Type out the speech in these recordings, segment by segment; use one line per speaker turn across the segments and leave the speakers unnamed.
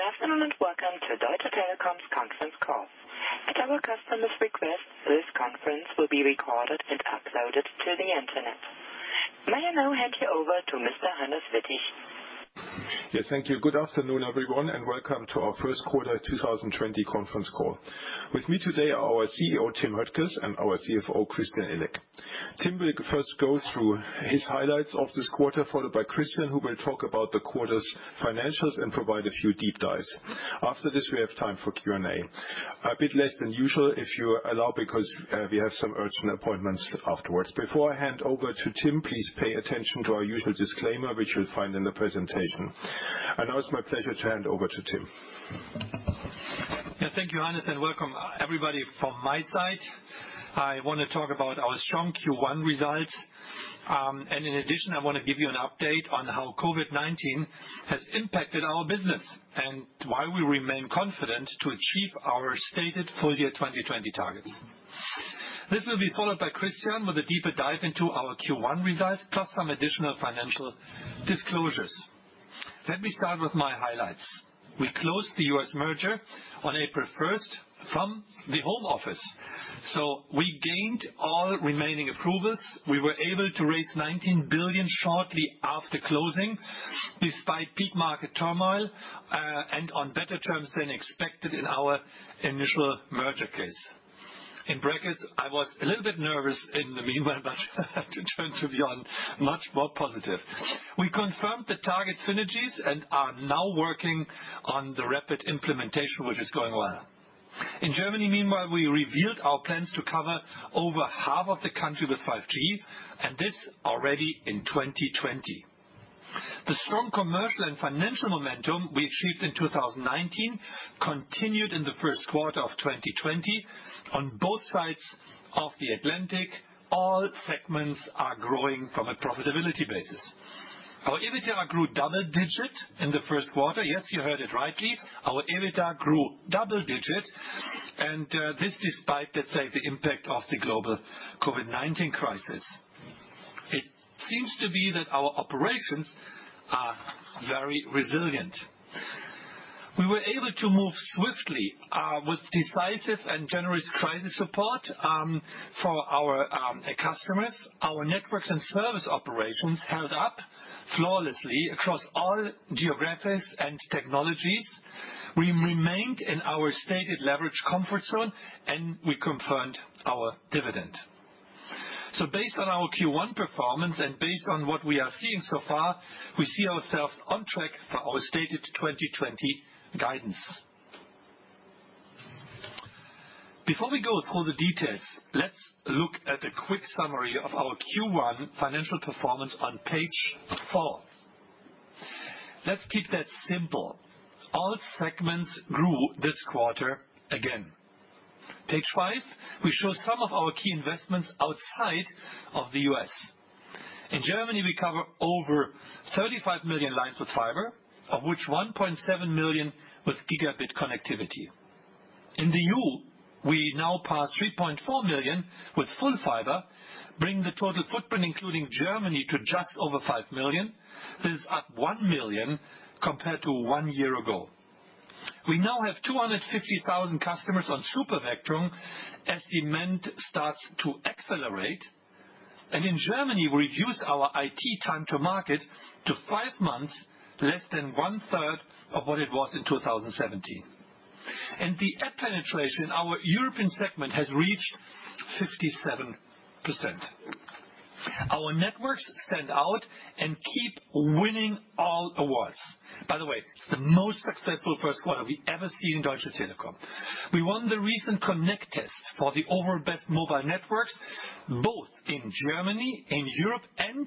Good afternoon. Welcome to Deutsche Telekom's conference call. At our customer's request, this conference will be recorded and uploaded to the Internet. May I now hand you over to Mr. Hannes Wittig.
Yes, thank you. Good afternoon, everyone, welcome to our first quarter 2020 conference call. With me today are our CEO, Tim Höttges, and our CFO, Christian Illek. Tim will first go through his highlights of this quarter, followed by Christian, who will talk about the quarter's financials and provide a few deep dives. After this, we have time for Q&A. A bit less than usual, if you allow, because we have some urgent appointments afterwards. Before I hand over to Tim, please pay attention to our usual disclaimer, which you'll find in the presentation. Now it's my pleasure to hand over to Tim.
Thank you, Hannes. Welcome, everybody. From my side, I want to talk about our strong Q1 results. In addition, I want to give you an update on how COVID-19 has impacted our business, and why we remain confident to achieve our stated full year 2020 targets. This will be followed by Christian with a deeper dive into our Q1 results, plus some additional financial disclosures. Let me start with my highlights. We closed the U.S. merger on April 1st from the home office. We gained all remaining approvals. We were able to raise $19 billion shortly after closing, despite peak market turmoil, and on better terms than expected in our initial merger case. In brackets, I was a little bit nervous in the meanwhile, but it turned to be much more positive. We confirmed the target synergies and are now working on the rapid implementation, which is going well. In Germany, meanwhile, we revealed our plans to cover over half of the country with 5G, and this already in 2020. The strong commercial and financial momentum we achieved in 2019 continued in the first quarter of 2020. On both sides of the Atlantic, all segments are growing from a profitability basis. Our EBITDA grew double digit in the first quarter. Yes, you heard it rightly. Our EBITDA grew double digit, and this despite, let's say, the impact of the global COVID-19 crisis. It seems to be that our operations are very resilient. We were able to move swiftly with decisive and generous crisis support for our customers. Our networks and service operations held up flawlessly across all geographies and technologies. We remained in our stated leverage comfort zone, and we confirmed our dividend. Based on our Q1 performance and based on what we are seeing so far, we see ourselves on track for our stated 2020 guidance. Before we go through the details, let's look at a quick summary of our Q1 financial performance on page four. Let's keep that simple. All segments grew this quarter again. Page five, we show some of our key investments outside of the U.S. In Germany, we cover over 35 million lines with fiber, of which 1.7 million with gigabit connectivity. In the EU, we now pass 3.4 million with full fiber, bringing the total footprint including Germany to just over 5 million. This is up 1 million compared to one year ago. We now have 250,000 customers on super vectoring as demand starts to accelerate. In Germany, we reduced our IT time to market to five months, less than one-third of what it was in 2017. The app penetration in our European segment has reached 57%. Our networks stand out and keep winning all awards. By the way, it's the most successful first quarter we ever see in Deutsche Telekom. We won the recent Connect test for the overall best mobile networks, both in Germany, in Europe, and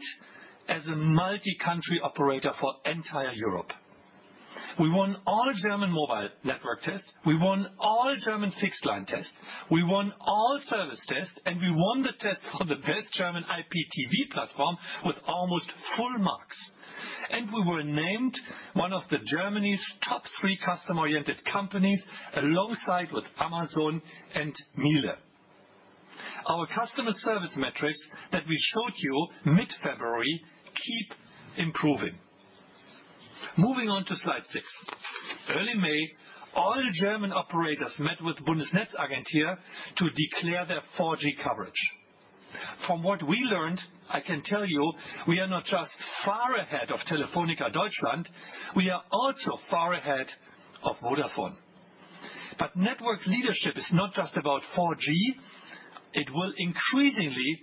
as a multi-country operator for entire Europe. We won all German mobile network tests. We won all German fixed line tests. We won all service tests, and we won the test for the best German IPTV platform with almost full marks. We were named one of the Germany's top three customer-oriented companies, alongside with Amazon and Miele. Our customer service metrics that we showed you mid-February keep improving. Moving on to slide six. Early May, all German operators met with Bundesnetzagentur to declare their 4G coverage. From what we learned, I can tell you, we are not just far ahead of Telefónica Deutschland, we are also far ahead of Vodafone. Network leadership is not just about 4G. It will increasingly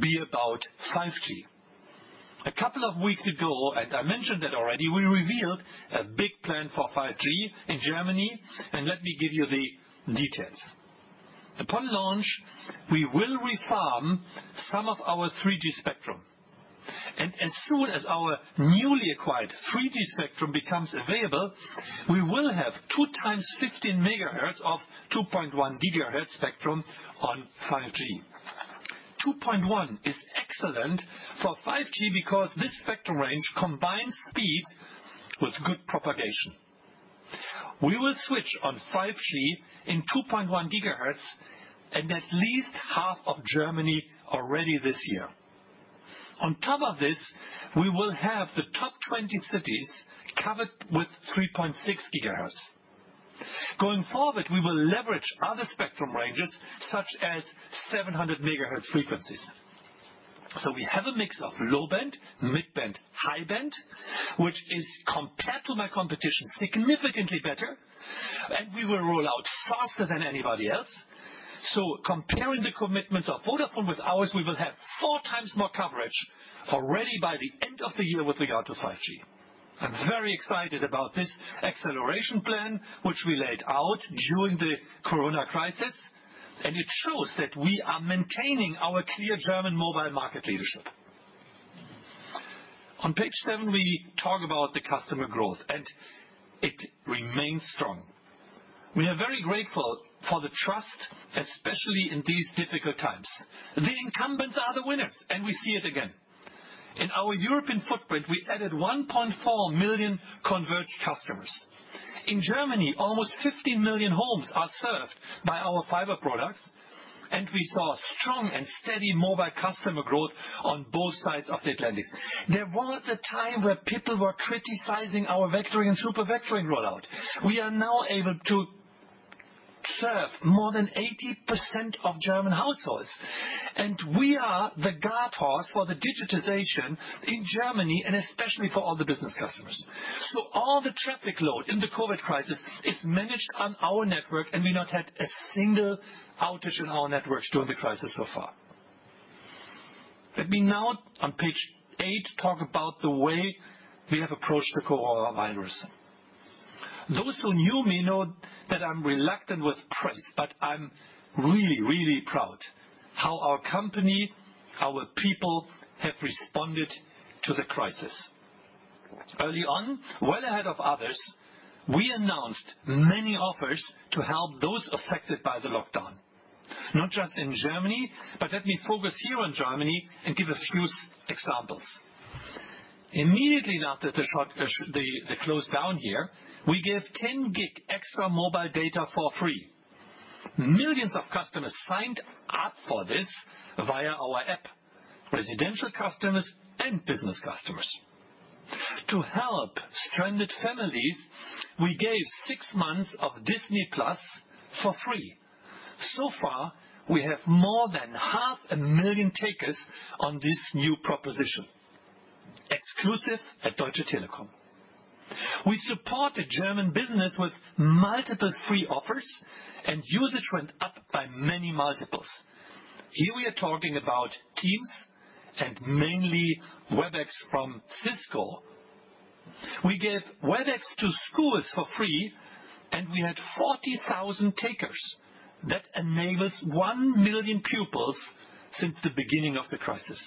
be about 5G. A couple of weeks ago, and I mentioned it already, we revealed a big plan for 5G in Germany, and let me give you the details. Upon launch, we will refarm some of our 3G spectrum. As soon as our newly acquired 3G spectrum becomes available, we will have two times 15 megahertz of 2.1 gigahertz spectrum on 5G. 2.1 is excellent for 5G because this spectrum range combines speed with good propagation. We will switch on 5G in 2.1 gigahertz in at least half of Germany already this year. On top of this, we will have the top 20 cities covered with 3.6 gigahertz. Going forward, we will leverage other spectrum ranges such as 700 MHz frequencies. We have a mix of low-band, mid-band, high-band, which is compared to my competition, significantly better, and we will roll out faster than anybody else. Comparing the commitments of Vodafone with ours, we will have four times more coverage already by the end of the year with regard to 5G. I'm very excited about this acceleration plan, which we laid out during the coronavirus crisis. It shows that we are maintaining our clear German mobile market leadership. On page seven, we talk about the customer growth, and it remains strong. We are very grateful for the trust, especially in these difficult times. The incumbents are the winners, we see it again. In our European footprint, we added 1.4 million converged customers. In Germany, almost 15 million homes are served by our fiber products, we saw strong and steady mobile customer growth on both sides of the Atlantic. There was a time where people were criticizing our vectoring and super vectoring rollout. We are now able to serve more than 80% of German households, we are the workhorse for the digitization in Germany and especially for all the business customers. All the traffic load in the COVID crisis is managed on our network, we not had a single outage in our networks during the crisis so far. Let me now on page eight talk about the way we have approached the coronavirus. Those who knew me know that I'm reluctant with praise, but I'm really, really proud how our company, our people, have responded to the crisis. Early on, well ahead of others, we announced many offers to help those affected by the lockdown, not just in Germany. Let me focus here on Germany and give a few examples. Immediately after the close down here, we gave 10 GB extra mobile data for free. Millions of customers signed up for this via our app, residential customers and business customers. To help stranded families, we gave six months of Disney+ for free. So far, we have more than half a million takers on this new proposition, exclusive at Deutsche Telekom. We supported German business with multiple free offers, and usage went up by many multiples. Here we are talking about Teams and mainly Webex from Cisco. We gave Webex to schools for free. We had 40,000 takers. That enables 1 million pupils since the beginning of the crisis.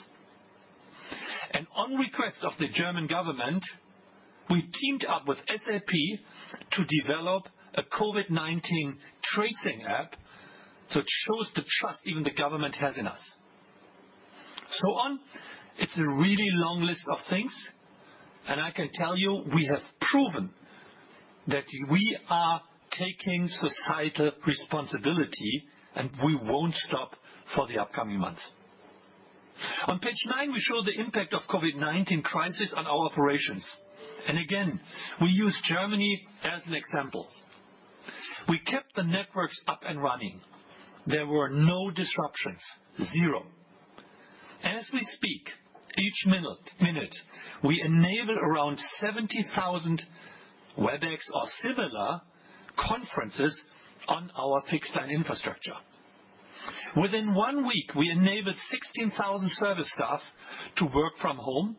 On request of the German government, we teamed up with SAP to develop a COVID-19 tracing app. It shows the trust even the government has in us. It's a really long list of things, and I can tell you we have proven that we are taking societal responsibility, and we won't stop for the upcoming months. On page nine, we show the impact of COVID-19 crisis on our operations. Again, we use Germany as an example. We kept the networks up and running. There were no disruptions. Zero. As we speak, each minute, we enable around 70,000 Webex or similar conferences on our fixed-line infrastructure. Within one week, we enabled 16,000 service staff to work from home.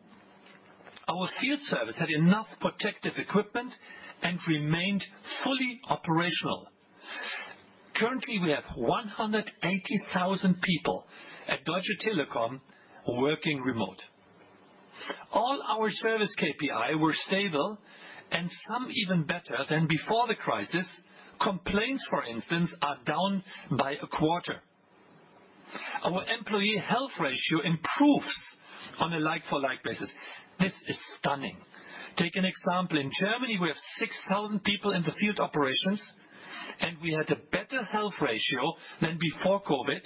Our field service had enough protective equipment and remained fully operational. Currently, we have 180,000 people at Deutsche Telekom working remote. All our service KPI were stable and some even better than before the crisis. Complaints, for instance, are down by a quarter. Our employee health ratio improves on a like-for-like basis. This is stunning. Take an example. In Germany, we have 6,000 people in the field operations, and we had a better health ratio than before COVID.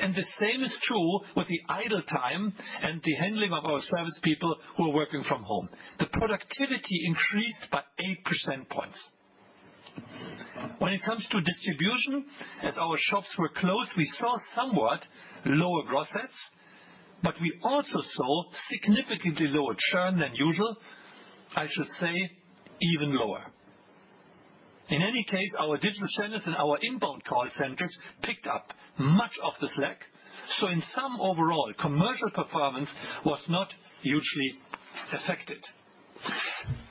The same is true with the idle time and the handling of our service people who are working from home. The productivity increased by 8 percent points. When it comes to distribution, as our shops were closed, we saw somewhat lower gross adds, but we also saw significantly lower churn than usual. I should say even lower. In any case, our digital channels and our inbound call centers picked up much of the slack. In sum, overall, commercial performance was not hugely affected.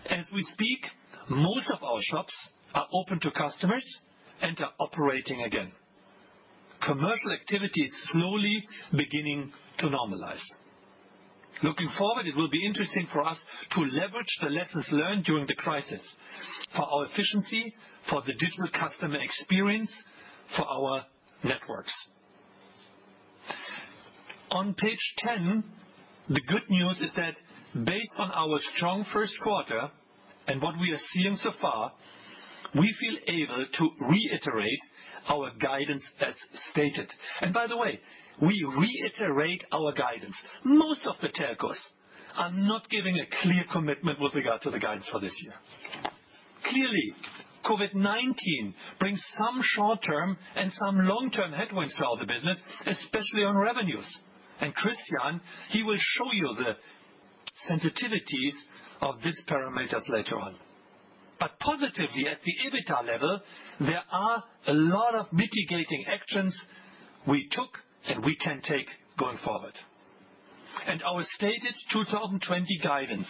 As we speak, most of our shops are open to customers and are operating again. Commercial activity is slowly beginning to normalize. Looking forward, it will be interesting for us to leverage the lessons learned during the crisis for our efficiency, for the digital customer experience, for our networks. On page 10, the good news is that based on our strong first quarter and what we are seeing so far, we feel able to reiterate our guidance as stated. By the way, we reiterate our guidance. Most of the telcos are not giving a clear commitment with regard to the guidance for this year. Clearly, COVID-19 brings some short-term and some long-term headwinds for all the business, especially on revenues. Christian, he will show you the sensitivities of these parameters later on. Positively, at the EBITDA level, there are a lot of mitigating actions we took and we can take going forward. Our stated 2020 guidance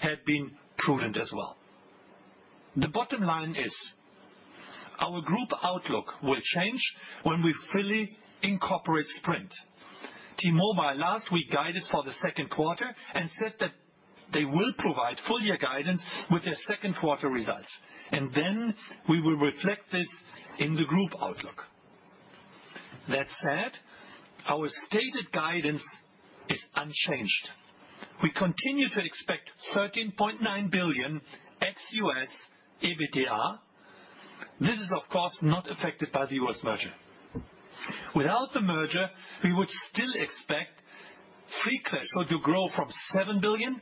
had been prudent as well. The bottom line is, our group outlook will change when we fully incorporate Sprint. T-Mobile last week guided for the second quarter and said that they will provide full year guidance with their second quarter results. We will reflect this in the group outlook. That said, our stated guidance is unchanged. We continue to expect 13.9 billion ex-U.S. EBITDA. This is, of course, not affected by the U.S. merger. Without the merger, we would still expect free cash flow to grow from 7 billion to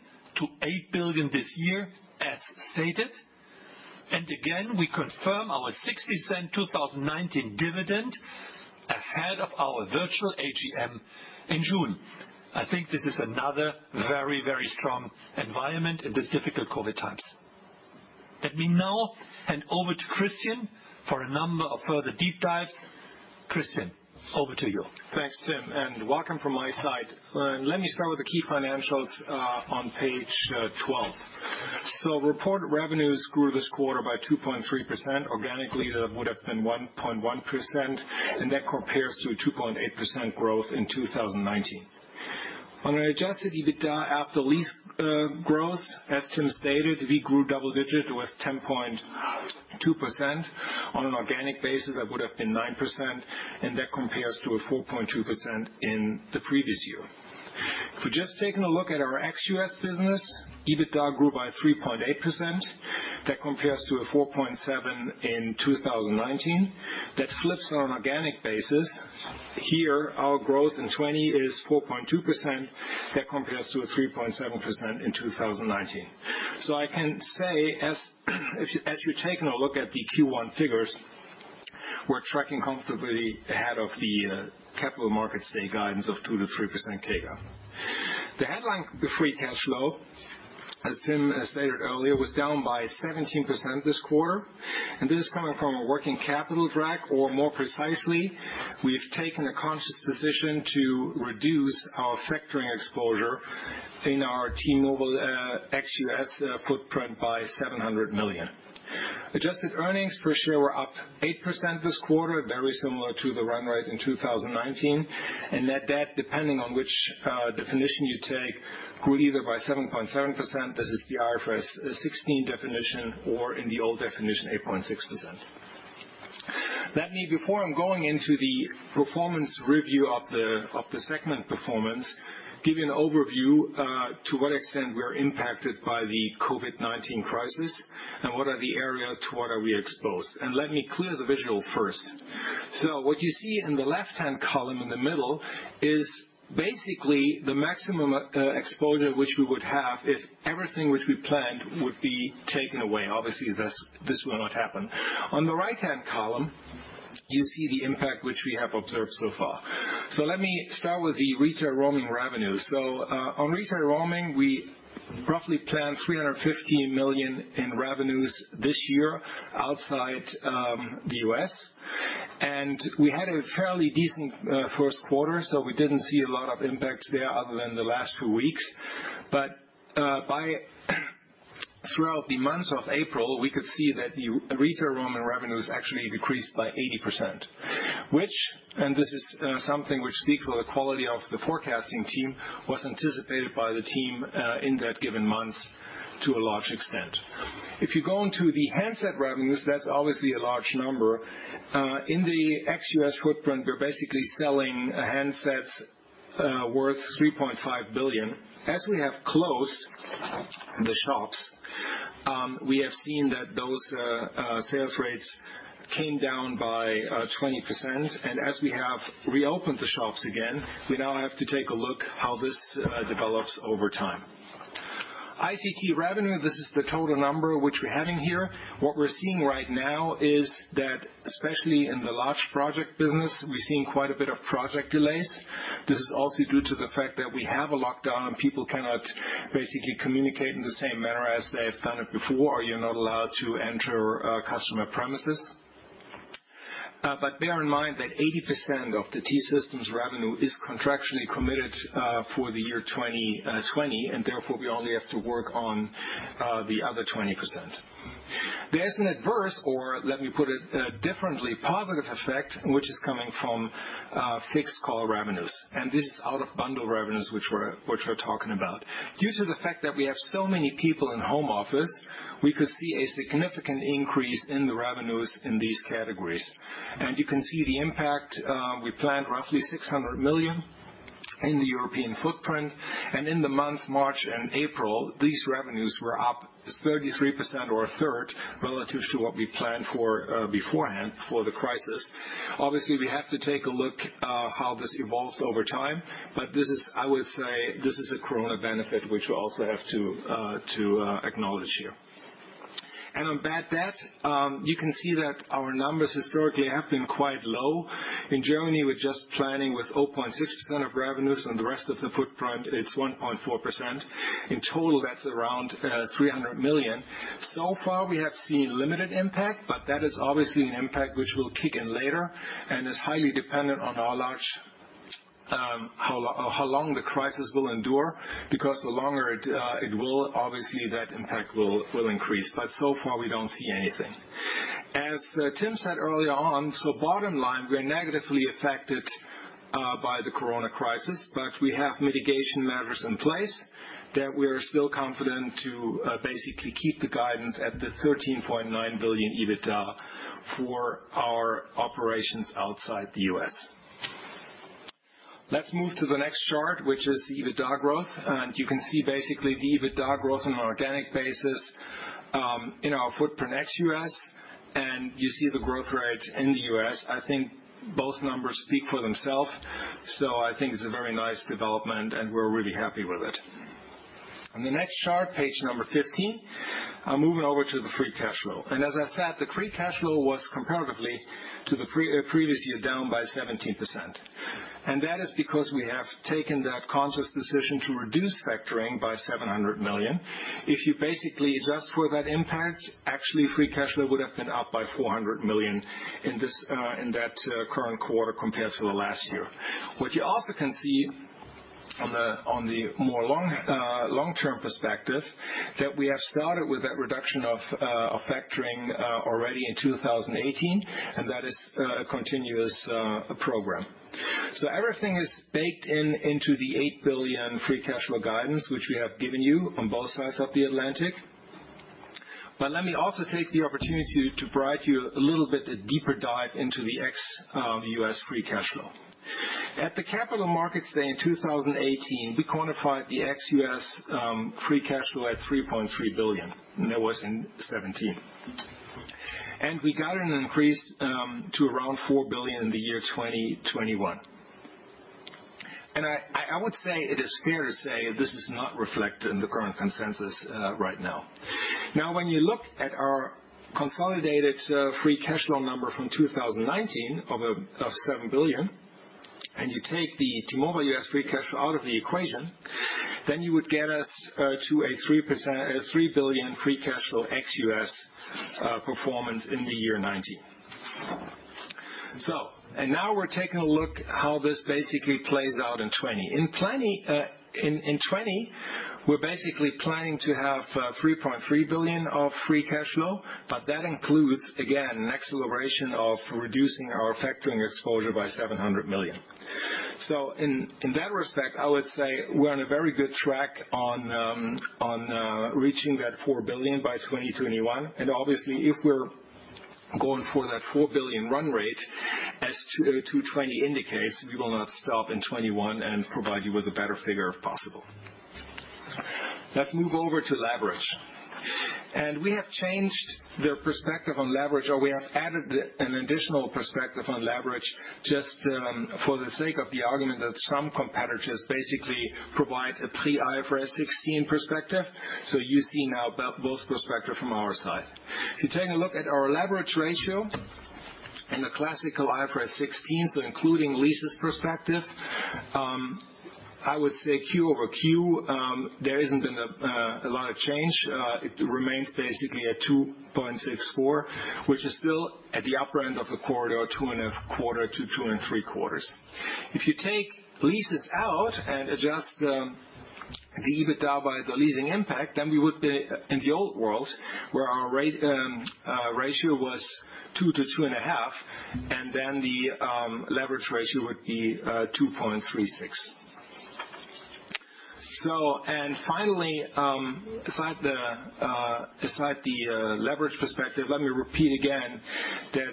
8 billion this year, as stated. Again, we confirm our 0.60 2019 dividend ahead of our virtual AGM in June. I think this is another very strong environment in these difficult COVID times. Let me now hand over to Christian for a number of further deep dives. Christian, over to you.
Thanks, Tim, and welcome from my side. Let me start with the key financials on page 12. Reported revenues grew this quarter by 2.3%. Organically, that would have been 1.1%, and that compares to a 2.8% growth in 2019. Adjusted EBITDA after leases growth, as Tim stated, we grew double digit with 10.2%. Organic basis, that would have been 9%, and that compares to a 4.2% in the previous year. We're just taking a look at our ex-U.S. business, EBITDA grew by 3.8%. That compares to a 4.7% in 2019. That flips on an organic basis. Our growth in 2020 is 4.2%. That compares to a 3.7% in 2019. I can say, as you're taking a look at the Q1 figures, we're tracking comfortably ahead of the capital markets day guidance of 2%-3% CAGR. The headline free cash flow, as Tim has stated earlier, was down by 17% this quarter, and this is coming from a working capital drag, or more precisely, we've taken a conscious decision to reduce our factoring exposure in our T-Mobile ex-US footprint by 700 million. Adjusted earnings per share were up 8% this quarter, very similar to the run rate in 2019. Net debt, depending on which definition you take, grew either by 7.7%, this is the IFRS 16 definition, or in the old definition, 8.6%. Let me, before I'm going into the performance review of the segment performance, give you an overview to what extent we are impacted by the COVID-19 crisis and what are the areas to what are we exposed. Let me clear the visual first. What you see in the left-hand column in the middle is basically the maximum exposure which we would have if everything which we planned would be taken away. Obviously, this will not happen. On the right-hand column, you see the impact which we have observed so far. Let me start with the retail roaming revenues. On retail roaming, we roughly planned 350 million in revenues this year outside the U.S., and we had a fairly decent first quarter, so we didn't see a lot of impact there other than the last few weeks. Throughout the month of April, we could see that the retail roaming revenues actually decreased by 80%, which, and this is something which speaks for the quality of the forecasting team, was anticipated by the team in that given month to a large extent. If you go into the handset revenues, that's obviously a large number. In the ex-U.S. footprint, we're basically selling handsets worth 3.5 billion. As we have closed the shops, we have seen that those sales rates came down by 20%, and as we have reopened the shops again, we now have to take a look how this develops over time. ICT revenue, this is the total number which we're having here. What we're seeing right now is that, especially in the large project business, we're seeing quite a bit of project delays. This is also due to the fact that we have a lockdown and people cannot basically communicate in the same manner as they've done it before. You're not allowed to enter customer premises. Bear in mind that 80% of the T-Systems revenue is contractually committed for the year 2020, and therefore we only have to work on the other 20%. There is an adverse, or let me put it differently, positive effect, which is coming from fixed call revenues, and this is out-of-bundle revenues which we're talking about. Due to the fact that we have so many people in home office, we could see a significant increase in the revenues in these categories. You can see the impact. We planned roughly 600 million. In the European footprint. In the months March and April, these revenues were up 33% or a third relative to what we planned for beforehand for the crisis. Obviously, we have to take a look how this evolves over time, but I would say this is a corona benefit, which we also have to acknowledge here. On bad debt, you can see that our numbers historically have been quite low. In Germany, we're just planning with 0.6% of revenues, and the rest of the footprint, it's 1.4%. In total, that's around 300 million. Far, we have seen limited impact, but that is obviously an impact which will kick in later and is highly dependent on how long the crisis will endure, because the longer it will, obviously, that impact will increase. So far, we don't see anything. As Tim said earlier on, bottom line, we're negatively affected by the Corona crisis, but we have mitigation measures in place that we are still confident to basically keep the guidance at the 13.9 billion EBITDA for our operations outside the U.S. Let's move to the next chart, which is the EBITDA growth. You can see basically the EBITDA growth on an organic basis in our footprint ex-U.S., and you see the growth rate in the U.S. I think both numbers speak for themselves. I think it's a very nice development, and we're really happy with it. On the next chart, page number 15, moving over to the free cash flow. As I said, the free cash flow was comparatively to the previous year, down by 17%. That is because we have taken that conscious decision to reduce factoring by 700 million. If you basically adjust for that impact, actually, free cash flow would have been up by 400 million in that current quarter compared to the last year. What you also can see on the more long-term perspective, that we have started with that reduction of factoring already in 2018, and that is a continuous program. Everything is baked into the 8 billion free cash flow guidance, which we have given you on both sides of the Atlantic. Let me also take the opportunity to provide you a little bit deeper dive into the ex-U.S. free cash flow. At the capital markets day in 2018, we quantified the ex-U.S. free cash flow at 3.3 billion, and that was in 2017. We got it increased to around 4 billion in the year 2021. I would say it is fair to say this is not reflected in the current consensus right now. When you look at our consolidated free cash flow number from 2019 of 7 billion, and you take the T-Mobile US free cash flow out of the equation, you would get us to a 3.3 billion free cash flow ex-U.S. performance in the year 2019. Now we're taking a look how this basically plays out in 2020. In 2020, we're basically planning to have 3.3 billion of free cash flow, that includes, again, an acceleration of reducing our factoring exposure by 700 million. In that respect, I would say we're on a very good track on reaching that 4 billion by 2021. Obviously, if we're going for that 4 billion run rate as to 2020 indicates, we will not stop in 2021 and provide you with a better figure if possible. Let's move over to leverage. We have changed the perspective on leverage, or we have added an additional perspective on leverage just for the sake of the argument that some competitors basically provide a pre-IFRS 16 perspective. You see now both perspective from our side. If you take a look at our leverage ratio in a classical IFRS 16, so including leases perspective, I would say Q over Q, there isn't a lot of change. It remains basically at 2.64, which is still at the upper end of the corridor, 2.25-2.75. If you take leases out and adjust the EBITDA by the leasing impact, we would be in the old world where our ratio was 2-2.5, the leverage ratio would be 2.36. And finally, aside the leverage perspective, let me repeat again that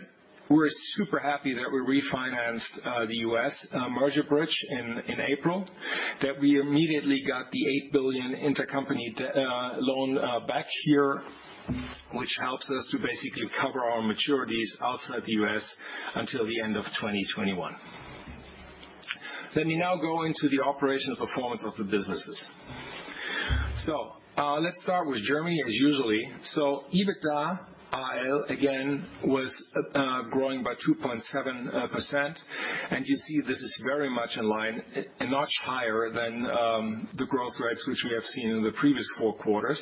we're super happy that we refinanced the U.S. merger bridge in April, that we immediately got the 8 billion intercompany loan back here, which helps us to basically cover our maturities outside the U.S. until the end of 2021. Let me now go into the operational performance of the businesses. Let's start with Germany as usual. EBITDA, again, was growing by 2.7%, and you see this is very much in line, a notch higher than the growth rates which we have seen in the previous four quarters.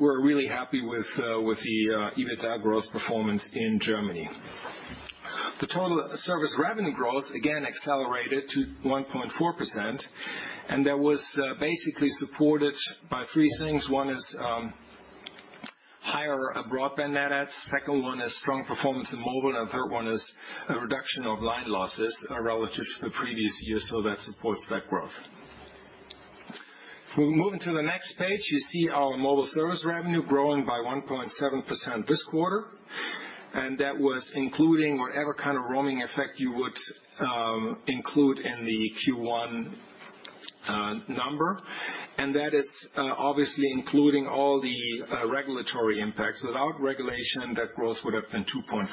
We're really happy with the EBITDA growth performance in Germany. The total service revenue growth again accelerated to 1.4%, and that was basically supported by three things. One is higher broadband net adds. Second one is strong performance in mobile, and third one is a reduction of line losses relative to the previous year, so that supports that growth. Moving to the next page, you see our mobile service revenue growing by 1.7% this quarter, and that was including whatever kind of roaming effect you would include in the Q1 number. That is obviously including all the regulatory impacts. Without regulation, that growth would have been 2.4%.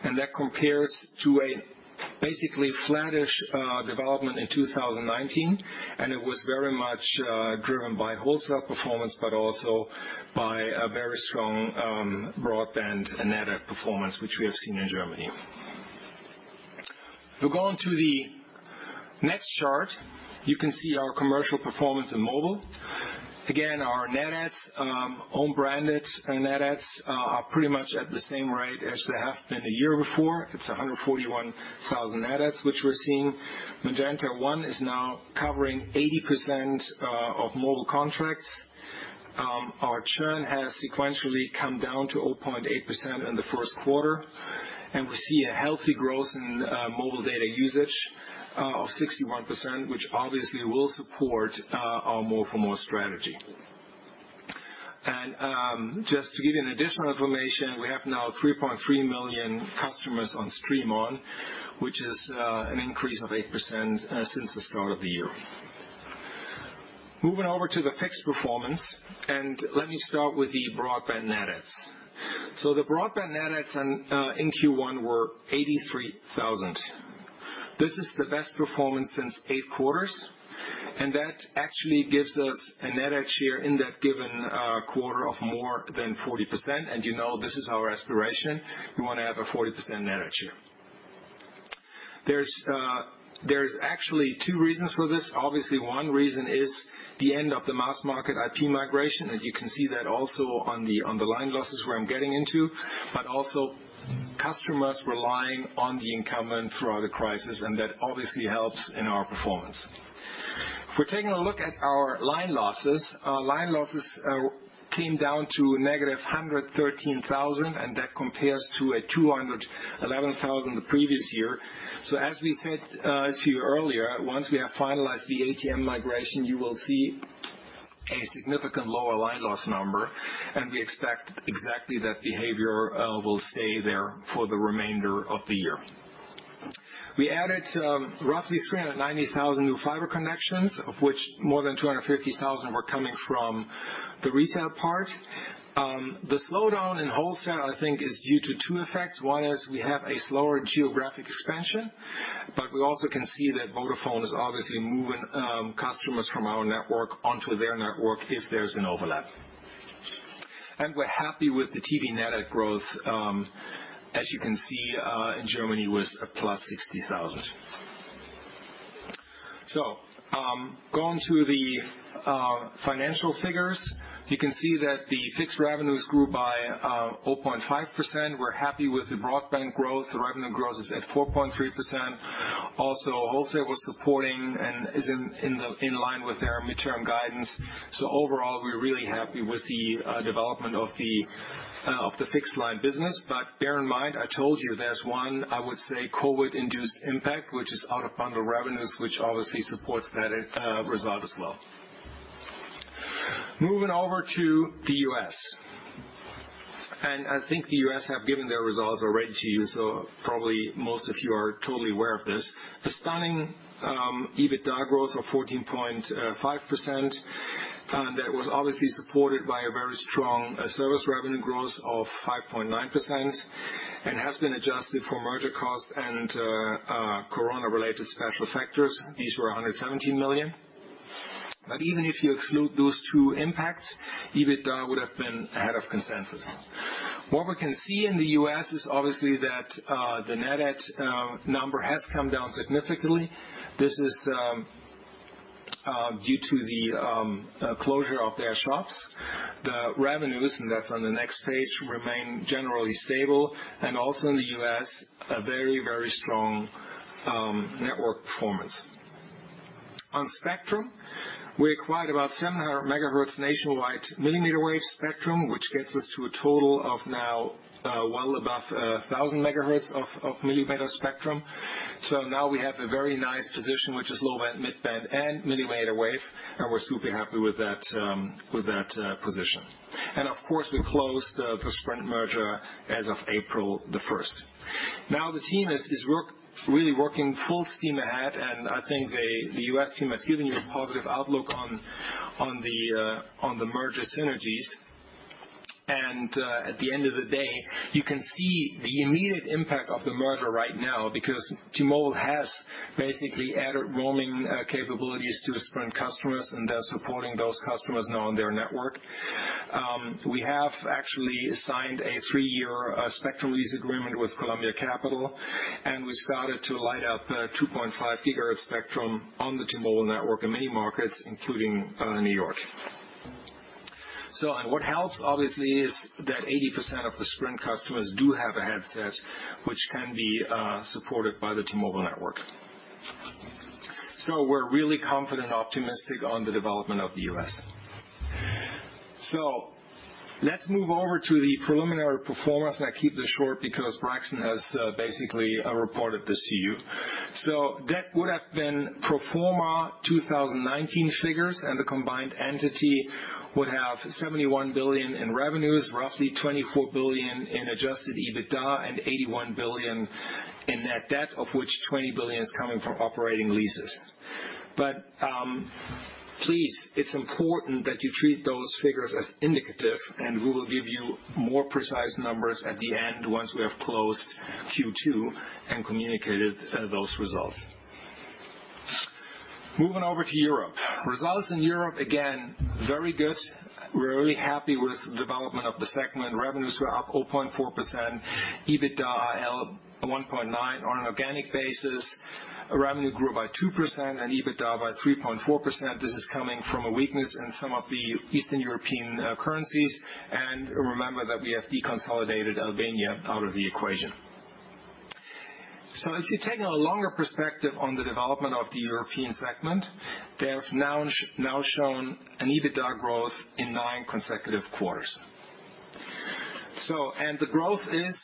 That compares to a basically flattish development in 2019. It was very much driven by wholesale performance, but also by a very strong broadband and net add performance, which we have seen in Germany. If we go on to the next chart, you can see our commercial performance in mobile. Our own branded net adds are pretty much at the same rate as they have been the year before. It is 141,000 net adds which we are seeing. Magenta One is now covering 80% of mobile contracts. Our churn has sequentially come down to 0.8% in the first quarter. We see a healthy growth in mobile data usage of 61%, which obviously will support our more for more strategy. Just to give you an additional information, we have now 3.3 million customers on StreamOn, which is an increase of 8% since the start of the year. Moving over to the fixed performance, let me start with the broadband net adds. The broadband net adds in Q1 were 83,000. This is the best performance since eight quarters, and that actually gives us a net add share in that given quarter of more than 40%. You know this is our aspiration. We want to have a 40% net add share. There's actually two reasons for this. Obviously, one reason is the end of the mass market IP migration, and you can see that also on the line losses where I'm getting into, but also customers relying on the incumbent throughout the crisis, and that obviously helps in our performance. If we're taking a look at our line losses, our line losses came down to -113,000, and that compares to a 211,000 the previous year. As we said to you earlier, once we have finalized the ATM migration, you will see a significantly lower line loss number, and we expect exactly that behavior will stay there for the remainder of the year. We added roughly 390,000 new fiber connections, of which more than 250,000 were coming from the retail part. The slowdown in wholesale, I think, is due to two effects. One is we have a slower geographic expansion, but we also can see that Vodafone is obviously moving customers from our network onto their network if there's an overlap. We're happy with the TV net add growth. As you can see, in Germany it was a +60,000. Going to the financial figures. You can see that the fixed revenues grew by 0.5%. We're happy with the broadband growth. The revenue growth is at 4.3%. Wholesale was supporting and is in line with our midterm guidance. Overall, we're really happy with the development of the fixed-line business. Bear in mind, I told you there's one, I would say, COVID-induced impact, which is out-of-bundle revenues, which obviously supports that result as well. Moving over to the U.S. I think the U.S. have given their results already to you, probably most of you are totally aware of this. A stunning EBITDA growth of 14.5%. That was obviously supported by a very strong service revenue growth of 5.9% and has been adjusted for merger costs and corona-related special factors. These were 117 million. Even if you exclude those two impacts, EBITDA would have been ahead of consensus. What we can see in the U.S. is obviously that the net add number has come down significantly. This is due to the closure of their shops. The revenues, and that's on the next page, remain generally stable, and also in the U.S., a very strong network performance. On spectrum, we acquired about 700MHz nationwide mmWave spectrum, which gets us to a total of now well above 1,000MHz of millimeter spectrum. Now we have a very nice position, which is low-band, mid-band, and mmWave, and we're super happy with that position. Of course, we closed the Sprint merger as of April the 1st. Now the team is really working full steam ahead, and I think the U.S. team has given you a positive outlook on the merger synergies. At the end of the day, you can see the immediate impact of the merger right now because T-Mobile has basically added roaming capabilities to Sprint customers, and they're supporting those customers now on their network. We have actually signed a three-year spectrum lease agreement with Columbia Capital, and we started to light up 2.5 GHz spectrum on the T-Mobile network in many markets, including New York. What helps, obviously, is that 80% of the Sprint customers do have a handset which can be supported by the T-Mobile network. We're really confident and optimistic on the development of the U.S. Let's move over to the preliminary performance, and I keep this short because Christian has basically reported this to you. That would have been pro forma 2019 figures, the combined entity would have 71 billion in revenues, roughly 24 billion in adjusted EBITDA, and 81 billion in net debt, of which 20 billion is coming from operating leases. Please, it's important that you treat those figures as indicative, and we will give you more precise numbers at the end once we have closed Q2 and communicated those results. Moving over to Europe. Results in Europe, again, very good. We're really happy with the development of the segment. Revenues were up 0.4%. EBITDA AL 1.9% on an organic basis. Revenue grew by 2% and EBITDA by 3.4%. This is coming from a weakness in some of the Eastern European currencies. Remember that we have deconsolidated Albania out of the equation. If you take a longer perspective on the development of the European segment, they have now shown an EBITDA growth in nine consecutive quarters. The growth is,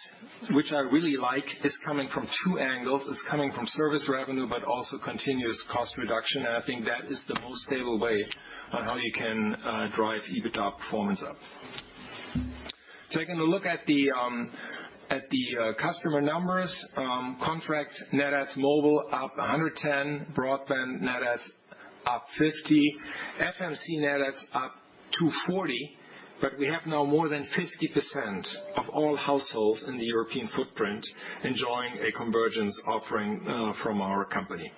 which I really like, is coming from two angles. It's coming from service revenue, but also continuous cost reduction. I think that is the most stable way on how you can drive EBITDA performance up. Taking a look at the customer numbers. Contract net adds mobile up 110, broadband net adds up 50. FMC net adds up to 40, but we have now more than 50% of all households in the European footprint enjoying a convergence offering from our company.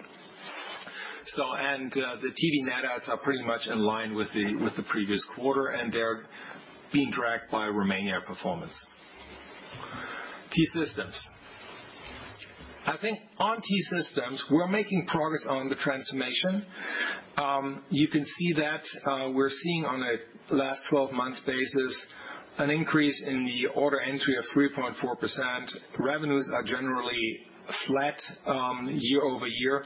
The TV net adds are pretty much in line with the previous quarter, and they're being dragged by Romania performance. T-Systems. I think on T-Systems, we're making progress on the transformation. You can see that we're seeing on a last 12 months basis an increase in the order entry of 3.4%. Revenues are generally flat year-over-year,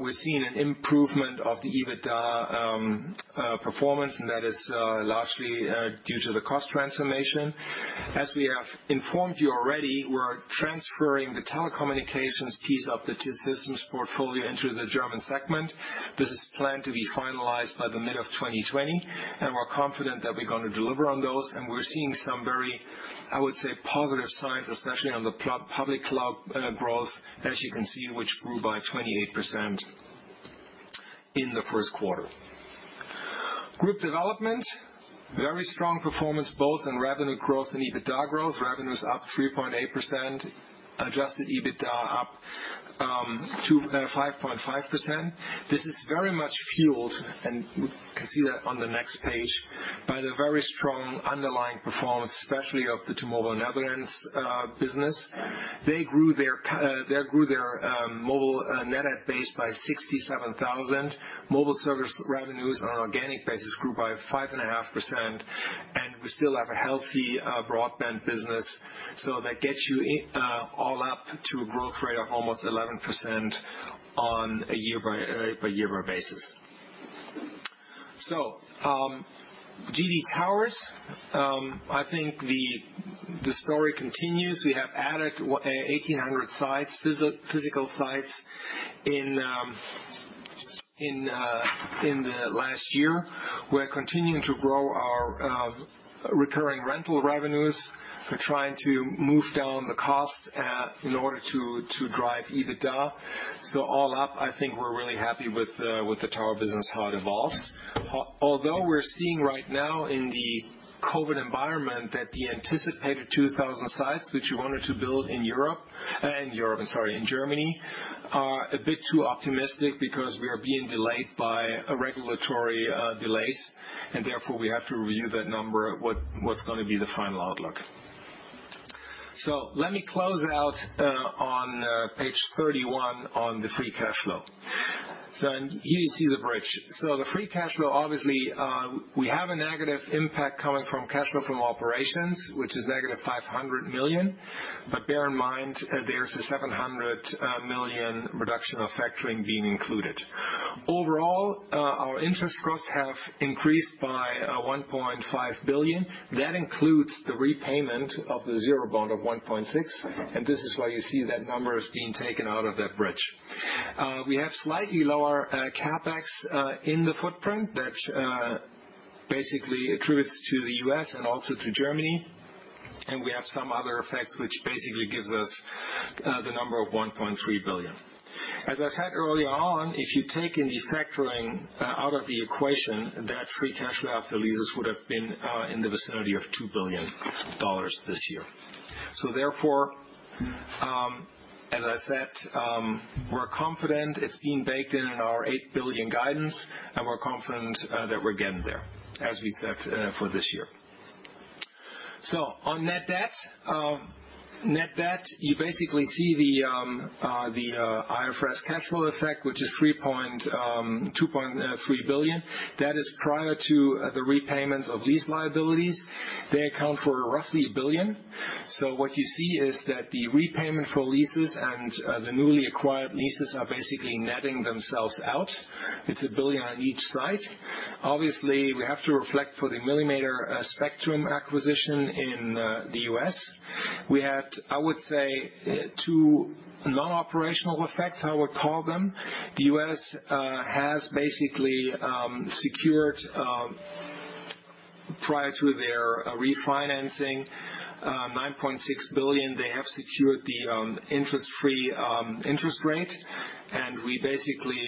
we're seeing an improvement of the EBITDA performance, that is largely due to the cost transformation. As we have informed you already, we're transferring the telecommunications piece of the T-Systems portfolio into the German segment. This is planned to be finalized by the mid of 2020, we're confident that we're going to deliver on those. We're seeing some very, I would say, positive signs, especially on the public cloud growth, as you can see, which grew by 28% in the first quarter. Group development. Very strong performance both in revenue growth and EBITDA growth. Revenues up 3.8%, adjusted EBITDA up to 5.5%. This is very much fueled, and you can see that on the next page, by the very strong underlying performance, especially of the T-Mobile Netherlands business. They grew their mobile net add base by 67,000. Mobile service revenues on an organic basis grew by 5.5%, and we still have a healthy broadband business. That gets you all up to a growth rate of almost 11% on a year-by-year basis. GD Towers. I think the story continues. We have added 1,800 physical sites in the last year. We're continuing to grow our recurring rental revenues. We're trying to move down the cost in order to drive EBITDA. All up, I think we're really happy with the tower business, how it evolves. Although we're seeing right now in the COVID-19 environment that the anticipated 2,000 sites, which we wanted to build in Germany, are a bit too optimistic because we are being delayed by regulatory delays, and therefore we have to review that number, what's going to be the final outlook. Let me close out on page 31 on the free cash flow. Here you see the bridge. The free cash flow, obviously, we have a negative impact coming from cash flow from operations, which is negative 500 million. Bear in mind, there's a 700 million reduction of factoring being included. Overall, our interest costs have increased by 1.5 billion. That includes the repayment of the zero-coupon bond of 1.6 billion. This is why you see that number is being taken out of that bridge. We have slightly lower CapEx in the footprint that basically attributes to the U.S. and also to Germany. We have some other effects which basically gives us the number of 1.3 billion. As I said early on, if you take any factoring out of the equation, that free cash flow after leases would have been in the vicinity of EUR 2 billion this year. Therefore, as I said, we're confident it's being baked in our 8 billion guidance, and we're confident that we're getting there, as we said for this year. On net debt, you basically see the IFRS cash flow effect, which is 2.3 billion. That is prior to the repayments of lease liabilities. They account for roughly 1 billion. What you see is that the repayment for leases and the newly acquired leases are basically netting themselves out. It's 1 billion on each side. Obviously, we have to reflect for the mmWave spectrum acquisition in the U.S. We had, I would say, two non-operational effects, I would call them. The U.S. has basically secured, prior to their refinancing, 9.6 billion. They have secured the risk-free interest rate, and we basically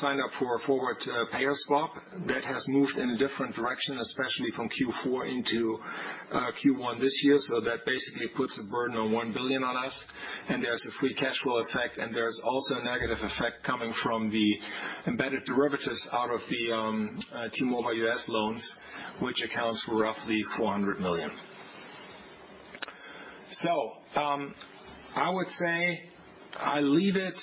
signed up for a forward payer swap that has moved in a different direction, especially from Q4 into Q1 this year. That basically puts a burden of 1 billion on us, and there's a free cash flow effect, and there's also a negative effect coming from the embedded derivatives out of the T-Mobile US loans, which accounts for roughly 400 million. I would say I leave it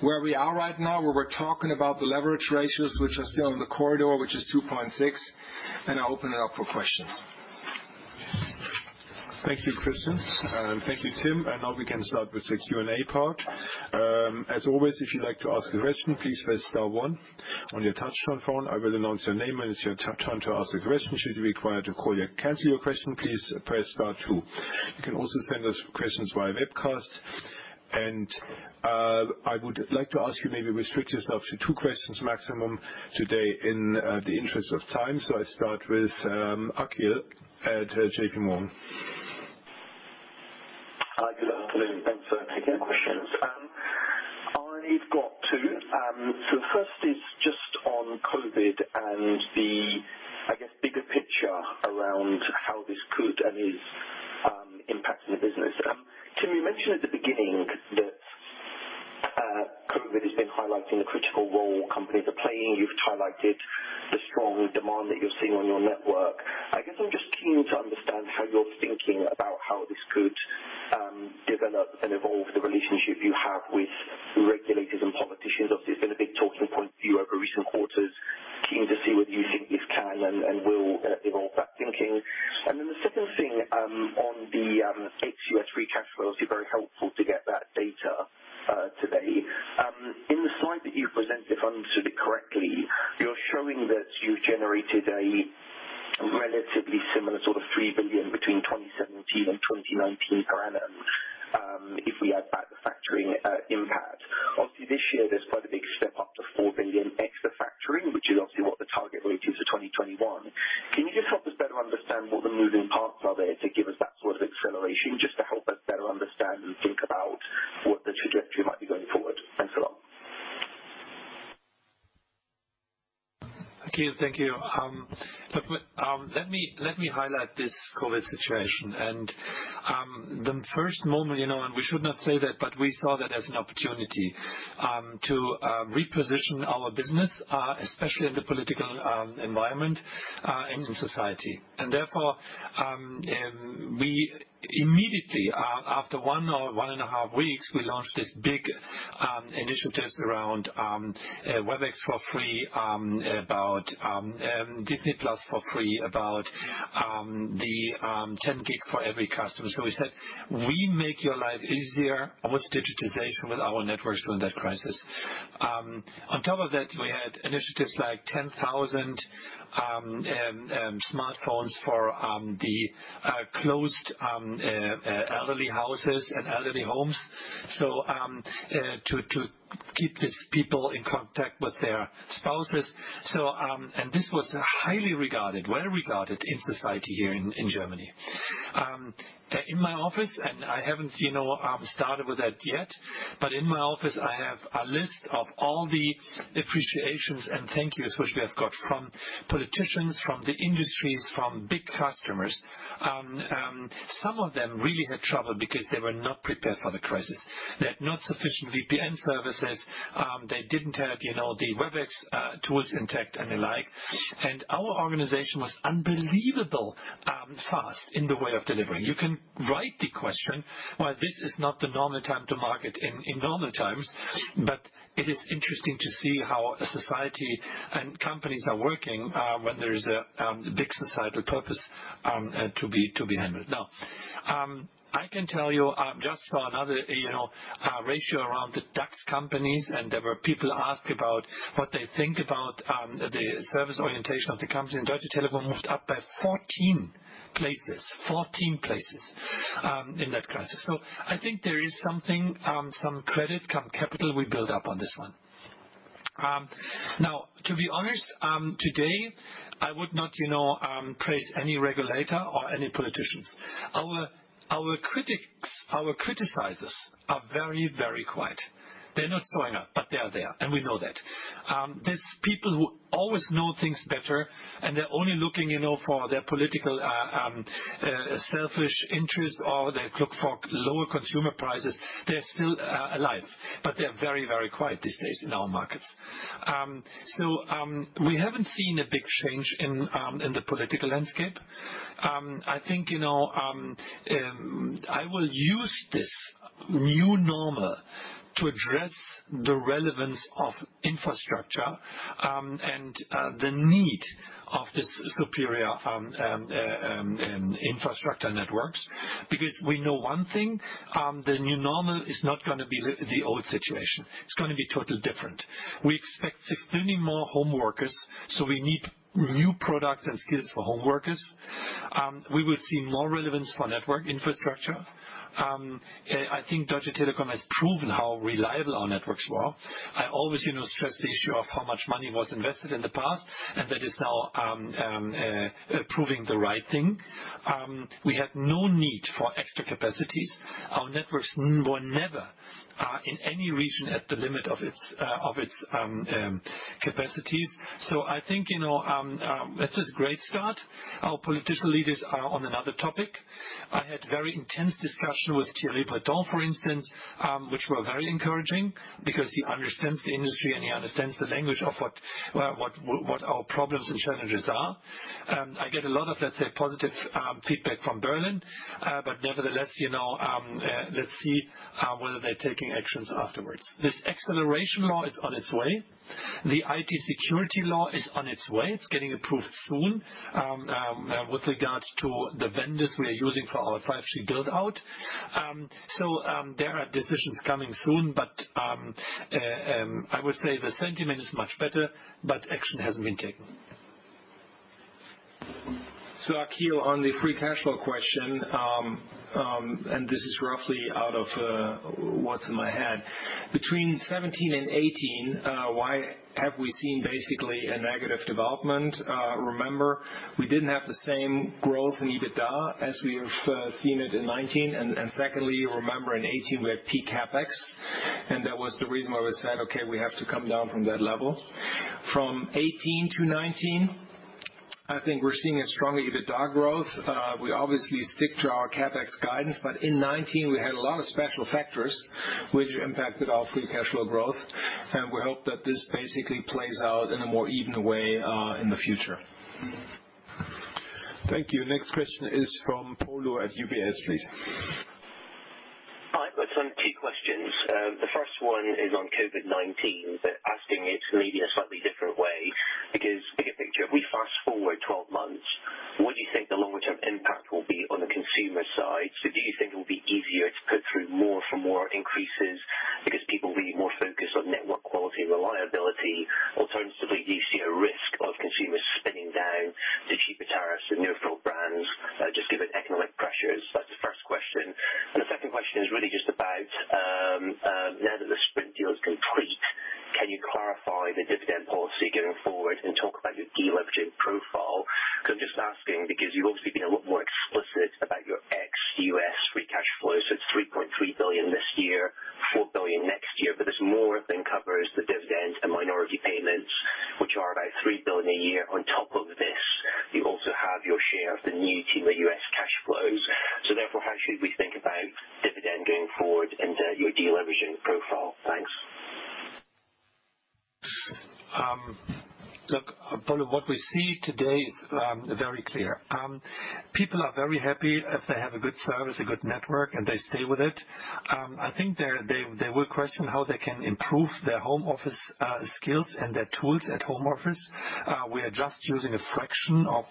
where we are right now, where we're talking about the leverage ratios, which are still in the corridor, which is 2.6, and I open it up for questions.
Thank you, Christian. Thank you, Tim. Now we can start with the Q&A part. As always, if you'd like to ask a question, please press star one on your touchtone phone. I will announce your name when it's your turn to ask a question. Should you require to call and cancel your question, please press star two. You can also send us questions via webcast. I would like to ask you maybe restrict yourself to two questions maximum today in the interest of time. I start with Akhil at J.P. Morgan.
Hi, good afternoon. Thanks for taking the questions. I've got two. The first is just on COVID and the, I guess, bigger picture around how this could and is impacting the business. Tim, you mentioned at the beginning that COVID has been highlighting the critical role companies are playing. You've highlighted the strong demand that you're seeing on your network. I guess I'm just keen to understand how you're thinking about how this could develop and evolve the relationship you have with regulators and politicians. Obviously, it's been a big talking point for you over recent quarters. Keen to see whether you think this can and will evolve that thinking. The second thing on the ex-U.S. free cash flow. It's very helpful to get that data today. In the slide that you presented, if I understood it correctly, you're showing that you've generated a relatively similar sort of 3 billion between 2017 and 2019 per annum, if we add back the factoring impact. Obviously, this year there's quite a big step up to 4 billion ex the factoring, which is obviously what the target really is for 2021. Can you just help us better understand what the moving parts are there to give us that sort of acceleration, just to help us better understand and think about what the trajectory might be going forward? Thanks a lot.
Akhil, thank you. Let me highlight this COVID situation. The first moment, and we should not say that, but we saw that as an opportunity to reposition our business, especially in the political environment and in society. Therefore, we immediately, after one or one and a half weeks, we launched these big initiatives around Webex for free, about Disney+ for free, about the 10 GB for every customer. We said, "We make your life easier with digitization, with our networks during that crisis." On top of that, we had initiatives like 10,000 smartphones for the closed elderly houses and elderly homes. To keep these people in contact with their spouses. This was highly regarded, well regarded in society here in Germany. In my office, and I haven't started with that yet, but in my office, I have a list of all the appreciations and thank yous, which we have got from politicians, from the industries, from big customers. Some of them really had trouble because they were not prepared for the crisis. They had not sufficient VPN services. They didn't have the Webex tools intact and the like. Our organization was unbelievably fast in the way of delivering. You can write the question. While this is not the normal time to market in normal times. It is interesting to see how a society and companies are working when there is a big societal purpose to be handled. I can tell you, just for another ratio around the DAX companies, and there were people ask about what they think about the service orientation of the company, and Deutsche Telekom moved up by 14 places. 14 places in that crisis. I think there is some credit capital we build up on this one. To be honest, today, I would not praise any regulator or any politicians. Our criticizers are very quiet. They're not showing up, but they are there, and we know that. These people who always know things better, and they're only looking for their political selfish interest, or they look for lower consumer prices. They're still alive, but they're very quiet these days in our markets. We haven't seen a big change in the political landscape. I think I will use this new normal to address the relevance of infrastructure and the need of this superior infrastructure networks. We know one thing, the new normal is not going to be the old situation. It's going to be totally different. We expect significantly more home workers, so we need new products and skills for home workers. We will see more relevance for network infrastructure. I think Deutsche Telekom has proven how reliable our networks were. I always stress the issue of how much money was invested in the past, and that is now proving the right thing. We had no need for extra capacities. Our networks were never, in any region, at the limit of its capacities. I think that's a great start. Our political leaders are on another topic. I had very intense discussion with Thierry Breton, for instance, which were very encouraging because he understands the industry and he understands the language of what our problems and challenges are. I get a lot of, let's say, positive feedback from Berlin. Nevertheless, let's see whether they're taking actions afterwards. This acceleration law is on its way. The IT security law is on its way. It's getting approved soon. With regards to the vendors we are using for our 5G build-out, there are decisions coming soon, but I would say the sentiment is much better, but action hasn't been taken.
Akhil, on the free cash flow question, and this is roughly out of what's in my head. Between 2017 and 2018, why have we seen basically a negative development? Remember, we didn't have the same growth in EBITDA as we have seen it in 2019. Secondly, you remember in 2018, we had peak CapEx, and that was the reason why we said, "Okay, we have to come down from that level." From 2018 to 2019, I think we're seeing a strong EBITDA growth. We obviously stick to our CapEx guidance, but in 2019, we had a lot of special factors which impacted our free cash flow growth. We hope that this basically plays out in a more even way in the future.
Thank you. Next question is from Polo Tang at UBS, please.
Hi. I've got two questions. The first one is on COVID-19, asking it maybe in a slightly different way, because bigger picture. We fast forward 12 months, what do you think the longer term impact will be on the consumer side? Do you think it will be easier to put through more increases because people will be more focused on network quality and reliability? Alternatively, do you see a risk of consumers spinning down to cheaper tariffs and no-frill brands, just given economic pressures? That's the first question. The second question is really just about now that the Sprint deal is complete, can you clarify the dividend policy going forward and talk about your deleveraging profile? I'm just asking because you've obviously been a lot more explicit about your ex-U.S. free cash flow. It's 3.3 billion this year, 4 billion next year. This more than covers the dividends and minority payments, which are about 3 billion a year on top of this. You also have your share of the new T-Mobile US cash flows. Therefore, how should we think about dividend going forward and your deleveraging profile? Thanks.
Look, Polo, what we see today is very clear. People are very happy if they have a good service, a good network, and they stay with it. I think they will question how they can improve their home office skills and their tools at home office. We are just using a fraction of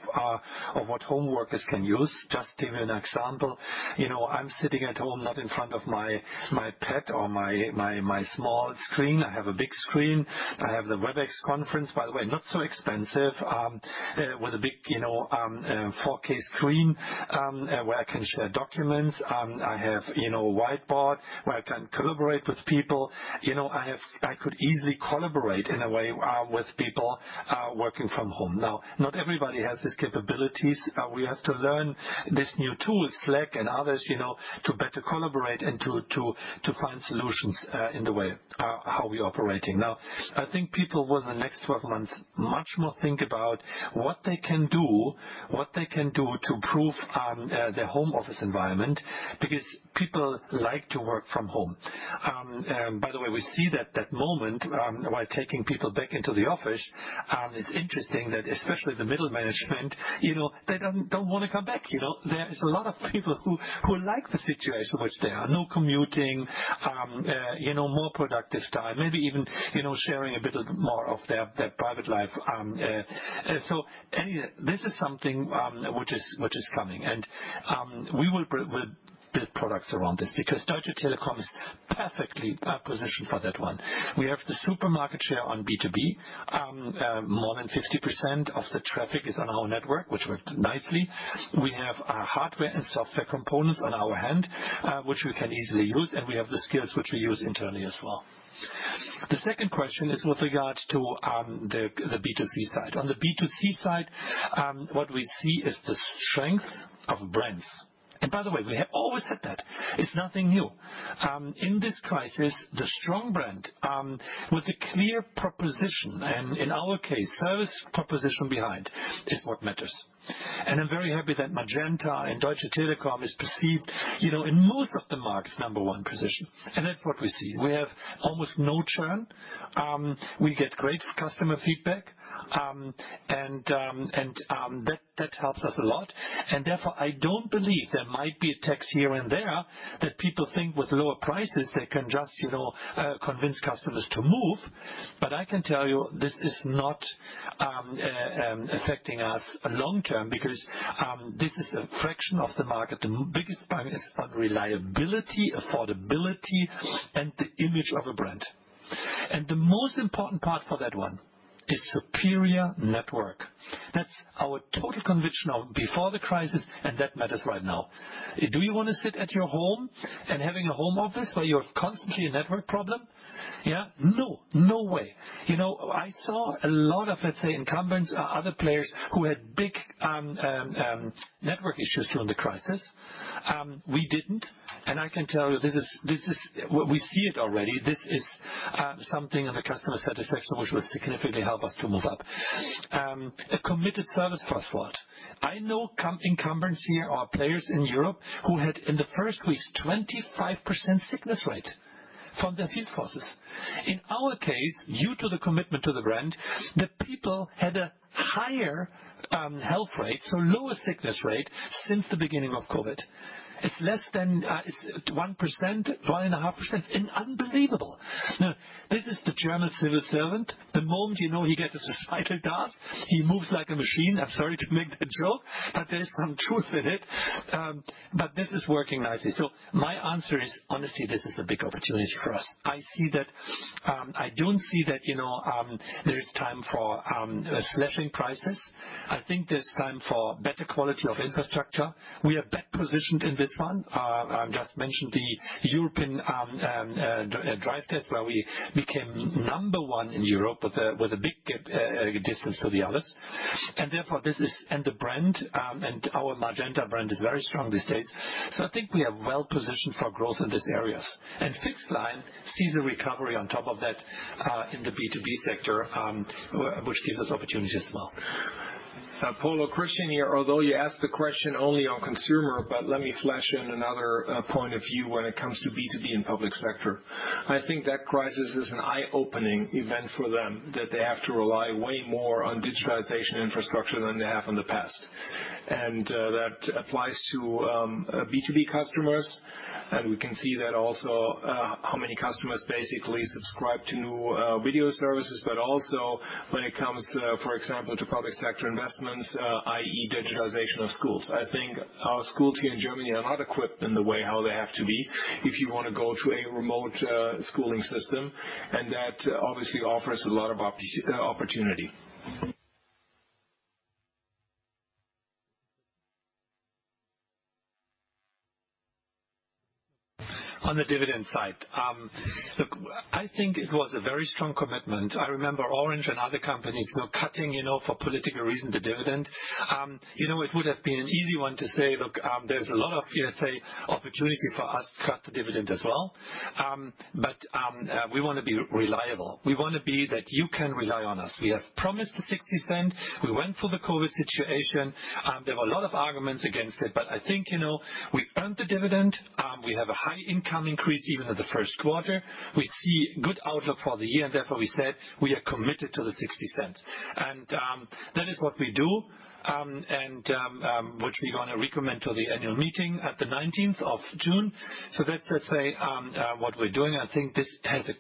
what home workers can use. Just to give you an example, I'm sitting at home, not in front of my pad or my small screen. I have a big screen. I have the Webex conference, by the way, not so expensive, with a big 4K screen, where I can share documents. I have whiteboard where I can collaborate with people. I could easily collaborate in a way with people working from home. Now, not everybody has these capabilities. We have to learn this new tool, Slack and others, to better collaborate and to find solutions in the way how we are operating. Now, I think people will, in the next 12 months, much more think about what they can do to improve their home office environment because people like to work from home. By the way, we see that that moment, while taking people back into the office, it's interesting that especially the middle management, they don't want to come back. There is a lot of people who like the situation in which they are. No commuting, more productive time, maybe even sharing a bit more of their private life. Anyhow, this is something which is coming. We will build products around this because Deutsche Telekom is perfectly positioned for that one. We have the superior market share on B2B. More than 50% of the traffic is on our network, which worked nicely. We have our hardware and software components on our hand, which we can easily use, and we have the skills which we use internally as well. The second question is with regards to the B2C side. On the B2C side, what we see is the strength of brands. By the way, we have always said that. It's nothing new. In this crisis, the strong brand with a clear proposition, in our case, service proposition behind, is what matters. I'm very happy that Magenta and Deutsche Telekom is perceived in most of the markets number 1 position. That's what we see. We have almost no churn. We get great customer feedback, and that helps us a lot. Therefore, I don't believe there might be a tactic here and there that people think with lower prices, they can just convince customers to move. This is not affecting us long-term because this is a fraction of the market. The biggest part is on reliability, affordability, and the image of a brand. The most important part for that one is superior network. That's our total conviction now before the crisis, and that matters right now. Do you want to sit at your home and have a home office where you have constantly a network problem? Yeah, no way. I saw a lot of, let's say, incumbents, other players who had big network issues during the crisis. We didn't. I can tell you, we see it already. This is something in the customer satisfaction which will significantly help us to move up. A committed service force for it. I know incumbents here or players in Europe who had, in the first weeks, 25% sickness rate from their field forces. In our case, due to the commitment to the brand, the people had a higher health rate, so lower sickness rate since the beginning of COVID. It's less than 1%, 1.5%, and unbelievable. This is the German civil servant. The moment you know he gets his vital task, he moves like a machine. I'm sorry to make that joke, there is some truth in it. This is working nicely. My answer is, honestly, this is a big opportunity for us. I don't see that there is time for slashing prices. I think there's time for better quality of infrastructure. We are best positioned in this one. I just mentioned the European drive test where we became number 1 in Europe with a big gap, distance to the others. Our Magenta brand is very strong these days. I think we are well-positioned for growth in these areas. Fixed line sees a recovery on top of that, in the B2B sector, which gives us opportunity as well.
Polo, Christian here. Although you asked the question only on consumer, but let me flesh in another point of view when it comes to B2B and public sector. I think that crisis is an eye-opening event for them, that they have to rely way more on digitalization infrastructure than they have in the past. That applies to B2B customers, and we can see that also how many customers basically subscribe to new video services, but also when it comes, for example, to public sector investments, i.e. digitalization of schools. I think our schools here in Germany are not equipped in the way how they have to be if you want to go to a remote schooling system. That obviously offers a lot of opportunity.
On the dividend side. Look, I think it was a very strong commitment. I remember Orange and other companies now cutting, for political reasons, the dividend. It would have been an easy one to say, "Look, there's a lot of, let's say, opportunity for us to cut the dividend as well." We want to be reliable. We want to be that you can rely on us. We have promised the 0.60. We went through the COVID-19 situation. There were a lot of arguments against it, but I think, we earned the dividend. We have a high income increase even in the first quarter. We see good outlook for the year, we said we are committed to the 0.60. That is what we do, which we're going to recommend to the annual meeting at the 19th of June. That's what we're doing. I think this has a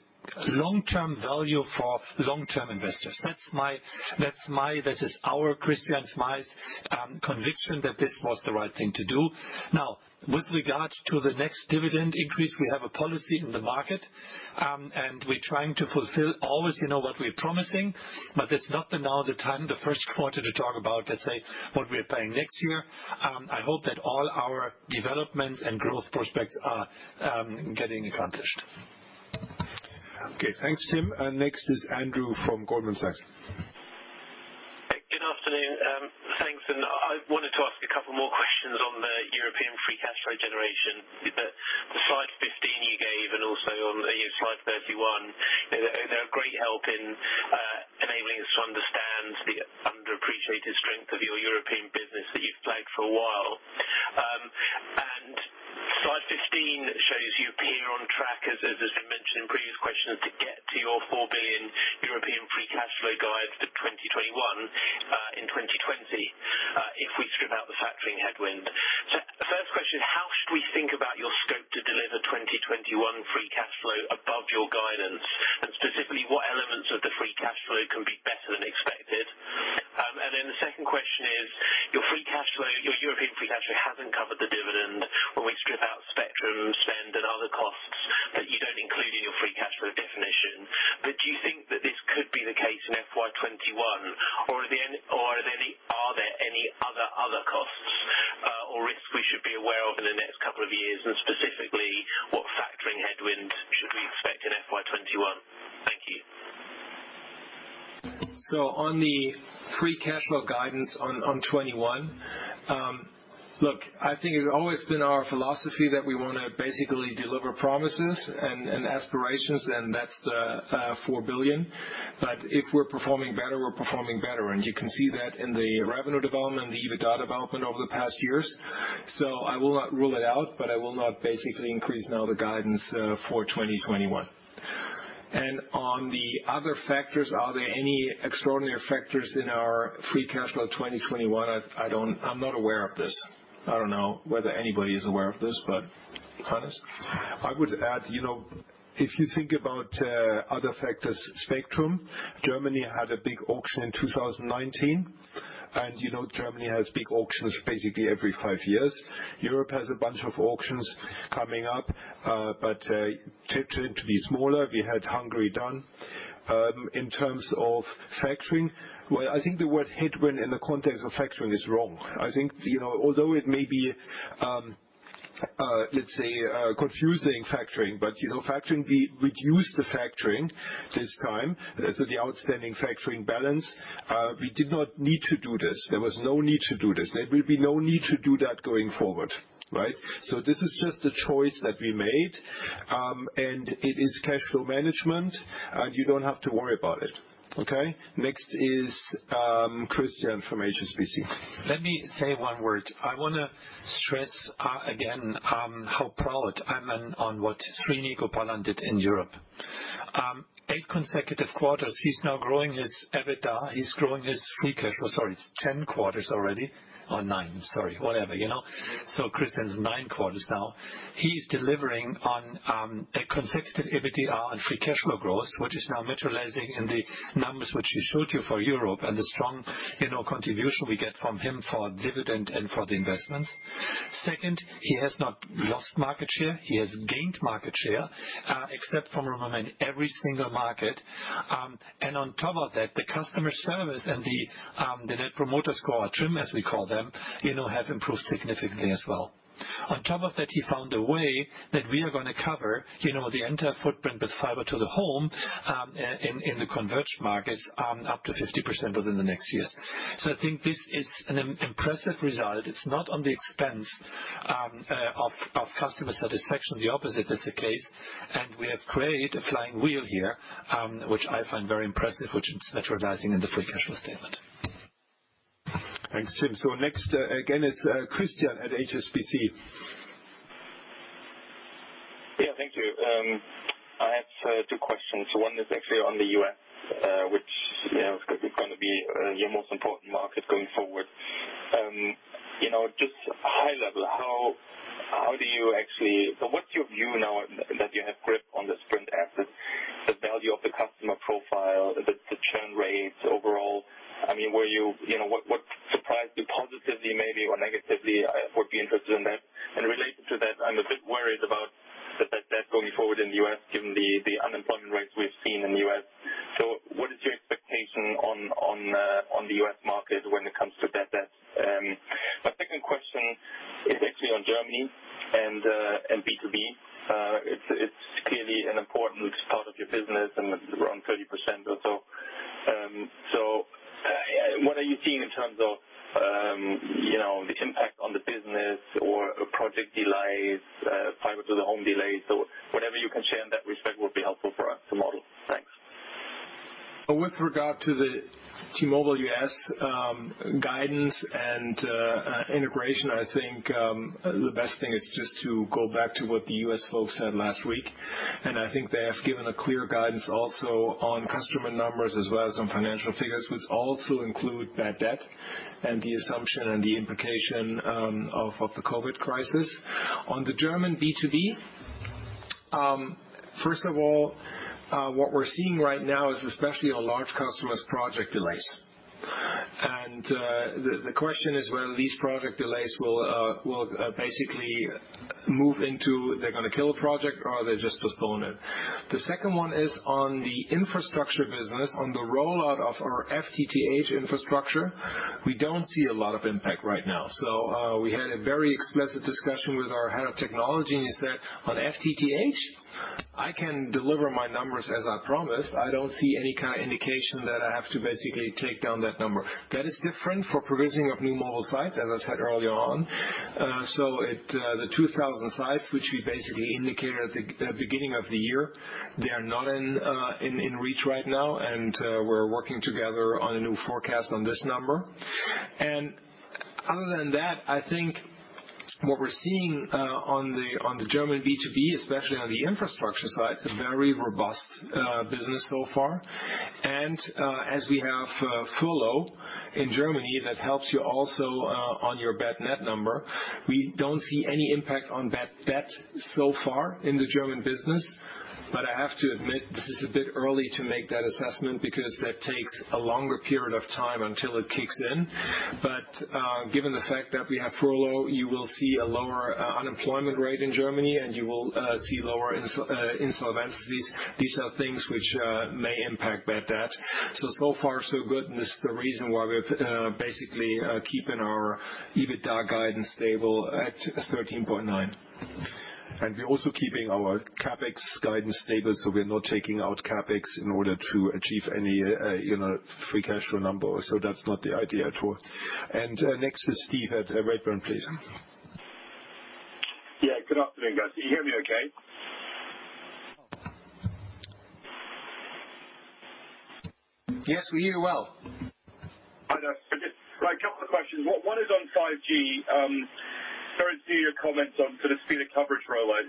long-term value for long-term investors. That is our, Christian's, mine's, conviction that this was the right thing to do. With regard to the next dividend increase, we have a policy in the market. We're trying to fulfill always what we're promising. That's not now the time, the first quarter to talk about what we're paying next year. I hope that all our development and growth prospects are getting accomplished.
Okay, thanks, Tim. Next is Andrew from Goldman Sachs.
Good afternoon. Thanks. I wanted to ask a couple more questions on the European free cash flow generation. The slide 15 you gave and also on slide 31, they're a great help in enabling us to understand the underappreciated strength of your European business that you've flagged for a while. Slide 15 shows you appear on track, as has been mentioned in previous questions, to get to your 4 billion European free cash flow guide for 2021, in 2020, if we strip out the factoring headwind. First question, how should we think about your scope to deliver 2021 free cash flow above your guidance? Specifically, what elements of the free cash flow can be better than expected? The second question is, your European free cash flow hasn't covered the dividend when we strip out spectrum spend and other costs that you don't include in your free cash flow definition. Do you think that this could be the case in FY 2021? Are there any other costs, or risk we should be aware of in the next couple of years? Specifically, what factoring headwind should we expect in FY 2021? Thank you.
On the free cash flow guidance on 2021. Look, I think it's always been our philosophy that we want to basically deliver promises and aspirations, and that's the 4 billion. If we're performing better, we're performing better. You can see that in the revenue development, the EBITDA development over the past years. I will not rule it out, but I will not basically increase now the guidance for 2021. On the other factors, are there any extraordinary factors in our free cash flow 2021? I'm not aware of this. I don't know whether anybody is aware of this, but Hannes?
I would add, if you think about other factors, spectrum, Germany had a big auction in 2019. Germany has big auctions basically every five years. Europe has a bunch of auctions coming up, but they tend to be smaller. We had Hungary done. In terms of factoring, well, I think the word headwind in the context of factoring is wrong. I think, although it may be, let's say, confusing factoring, but we reduced the factoring this time. The outstanding factoring balance, we did not need to do this. There was no need to do this. There will be no need to do that going forward. This is just a choice that we made, and it is cash flow management, and you don't have to worry about it. Okay? Next is Christian from HSBC.
Let me say one word. I want to stress again, how proud I am on what Srini Gopalan did in Europe. Eight consecutive quarters, he's now growing his EBITDA. He's growing his free cash flow. Sorry, it's 10 quarters already. nine, sorry. Whatever. Christian, it's nine quarters now. He's delivering on a consecutive EBITDA on free cash flow growth, which is now materializing in the numbers which he showed you for Europe and the strong contribution we get from him for dividend and for the investments. Second, he has not lost market share. He has gained market share, except from Romania, in every single market. On top of that, the customer service and the Net Promoter Score, TRI*M, as we call them, have improved significantly as well.
On top of that, he found a way that we are going to cover the entire footprint with fiber to the home in the converged markets up to 50% within the next years. I think this is an impressive result. It's not on the expense of customer satisfaction. The opposite is the case. We have created a flywheel here, which I find very impressive, which is materializing in the free cash flow statement.
Thanks, Tim. Next, again, is Christian at HSBC.
Yeah, thank you. I have two questions. One is actually on the U.S., which is going to be your most important market going forward. Just high level, what's your view now that you have grip on the Sprint assets, the value of the customer profile, the churn rates overall? What surprised you positively maybe or negatively? I would be interested in that. Related to that, I'm a bit worried about the bad debt going forward in the U.S., given the unemployment rates we've seen in the U.S. What is your expectation on the U.S. market when it comes to bad debt? My second question is actually on Germany and B2B. It's clearly an important part of your business and around 30% or so. What are you seeing in terms of the impact on the business or project delays, fiber to the home delays? Whatever you can share in that respect would be helpful for us to model. Thanks.
With regard to the T-Mobile US guidance and integration, I think the best thing is just to go back to what the U.S. folks said last week. I think they have given a clear guidance also on customer numbers as well as on financial figures, which also include bad debt and the assumption and the implication of the COVID crisis. On the German B2B, first of all, what we're seeing right now is especially on large customers, project delays. The question is whether these project delays will basically move into they're going to kill a project or they just postpone it. The second one is on the infrastructure business, on the rollout of our FTTH infrastructure. We don't see a lot of impact right now. We had a very explicit discussion with our head of technology, and he said, "On FTTH, I can deliver my numbers as I promised. I don't see any indication that I have to basically take down that number." That is different for provisioning of new mobile sites, as I said earlier on. The 2,000 sites, which we basically indicated at the beginning of the year, they are not in reach right now, and we're working together on a new forecast on this number. Other than that, I think what we're seeing on the German B2B, especially on the infrastructure side, a very robust business so far. As we have full OSS in Germany, that helps you also on your bad debt number. We don't see any impact on bad debt so far in the German business. I have to admit, this is a bit early to make that assessment because that takes a longer period of time until it kicks in. Given the fact that we have furlough, you will see a lower unemployment rate in Germany and you will see lower insolvencies. These are things which may impact bad debt. So far so good, and this is the reason why we're basically keeping our EBITDA guidance stable at 13.9. We're also keeping our CapEx guidance stable, so we're not taking out CapEx in order to achieve any free cash flow number. That's not the idea at all. Next is Steve at Redburn, please.
Yeah, good afternoon, guys. You hear me okay?
Yes, we hear you well.
Questions. One is on 5G. Sorry to your comments on the speed of coverage rollout.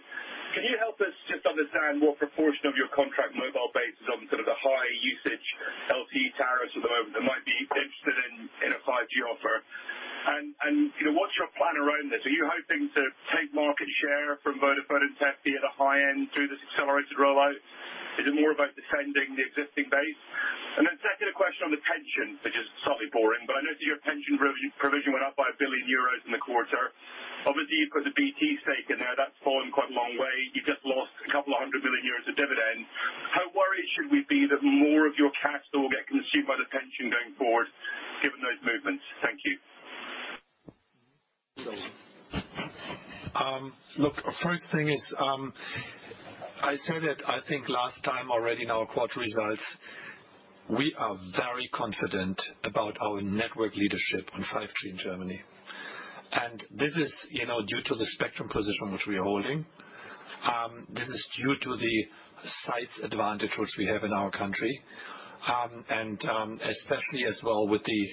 Can you help us just understand what proportion of your contract mobile base is on the high usage L tariffs at the moment that might be interested in a 5G offer? What's your plan around this? Are you hoping to take market share from Vodafone and Telefónica at the high end through this accelerated rollout? Is it more about defending the existing base? Second, a question on the pension, which is slightly boring, but I notice your pension provision went up by 1 billion euros in the quarter. Obviously, you've got the BT stake in there that's fallen quite a long way. You've just lost 200 million euros of dividend. How worried should we be that more of your capital will get consumed by the pension going forward given those movements? Thank you.
Look, first thing is, I said it, I think last time already in our quarter results, we are very confident about our network leadership on 5G in Germany. This is due to the spectrum position which we are holding. This is due to the site advantage which we have in our country. Especially as well with the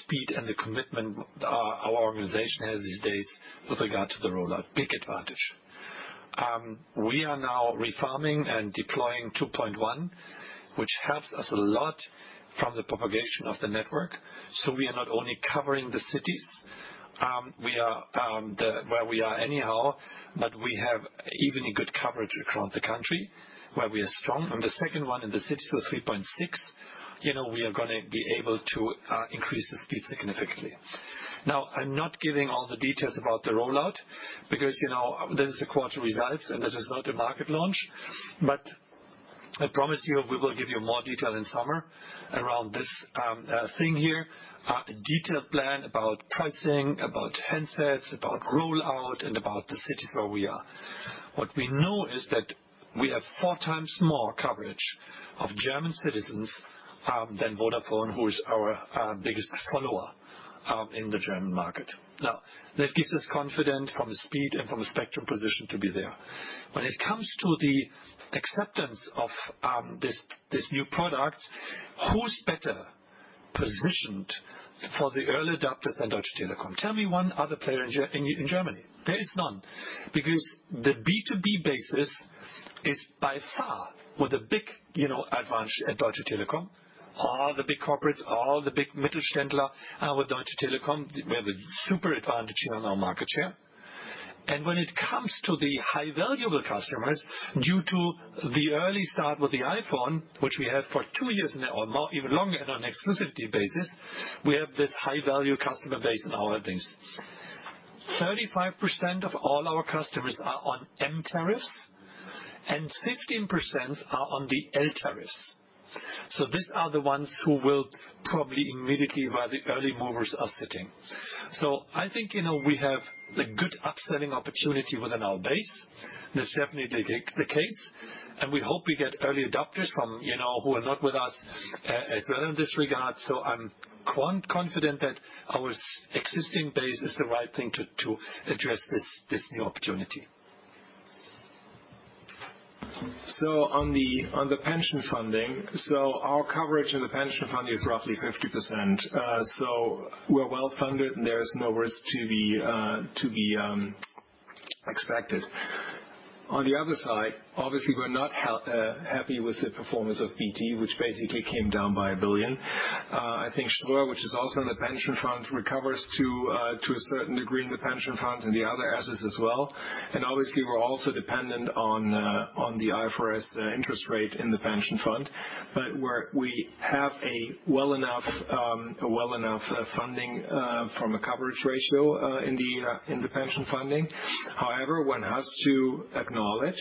speed and the commitment our organization has these days with regard to the rollout. Big advantage. We are now refarming and deploying 2.1, which helps us a lot from the propagation of the network. We are not only covering the cities, where we are anyhow, but we have even a good coverage across the country where we are strong. On the second one, in the cities with 3.6, we are going to be able to increase the speed significantly. I'm not giving all the details about the rollout because this is a quarter result and this is not a market launch. I promise you, we will give you more detail in summer around this thing here. A detailed plan about pricing, about handsets, about rollout, and about the cities where we are. What we know is that we have four times more coverage of German citizens than Vodafone, who is our biggest follower in the German market. This gives us confidence from the speed and from the spectrum position to be there. When it comes to the acceptance of these new products, who's better positioned for the early adopters than Deutsche Telekom? Tell me one other player in Germany. There is none, because the B2B basis is by far with a big advantage at Deutsche Telekom. All the big corporates, all the big Mittelstand, are with Deutsche Telekom. We have a super advantage in our market share. When it comes to the high-value customers, due to the early start with the iPhone, which we have for two years or even longer on an exclusivity basis, we have this high-value customer base in all things. 35% of all our customers are on M tariffs and 15% are on the L tariffs. These are the ones who will probably immediately where the early movers are sitting. I think, we have a good upselling opportunity within our base. That's definitely the case. We hope we get early adopters who are not with us as well in this regard. I'm confident that our existing base is the right thing to address this new opportunity.
On the pension funding. Our coverage in the pension fund is roughly 50%. We're well funded and there is no risk to be expected. On the other side, obviously, we're not happy with the performance of BT, which basically came down by 1 billion. I think Ströer, which is also in the pension fund, recovers to a certain degree in the pension fund and the other assets as well. Obviously, we're also dependent on the IFRS interest rate in the pension fund. We have a well enough funding from a coverage ratio in the pension funding. However, one has to acknowledge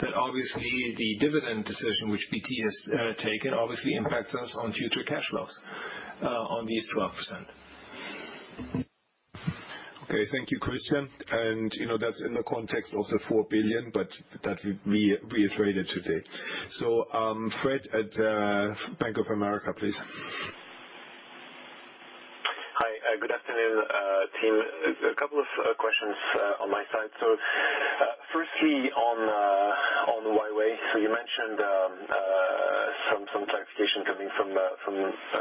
that obviously the dividend decision which BT has taken obviously impacts us on future cash flows on these 12%.
Okay, thank you, Christian. That's in the context of the 4 billion, but that we reiterated today. Fred at Bank of America, please.
Hi, good afternoon, team. A couple of questions on my side. Firstly on Huawei, you mentioned some clarification coming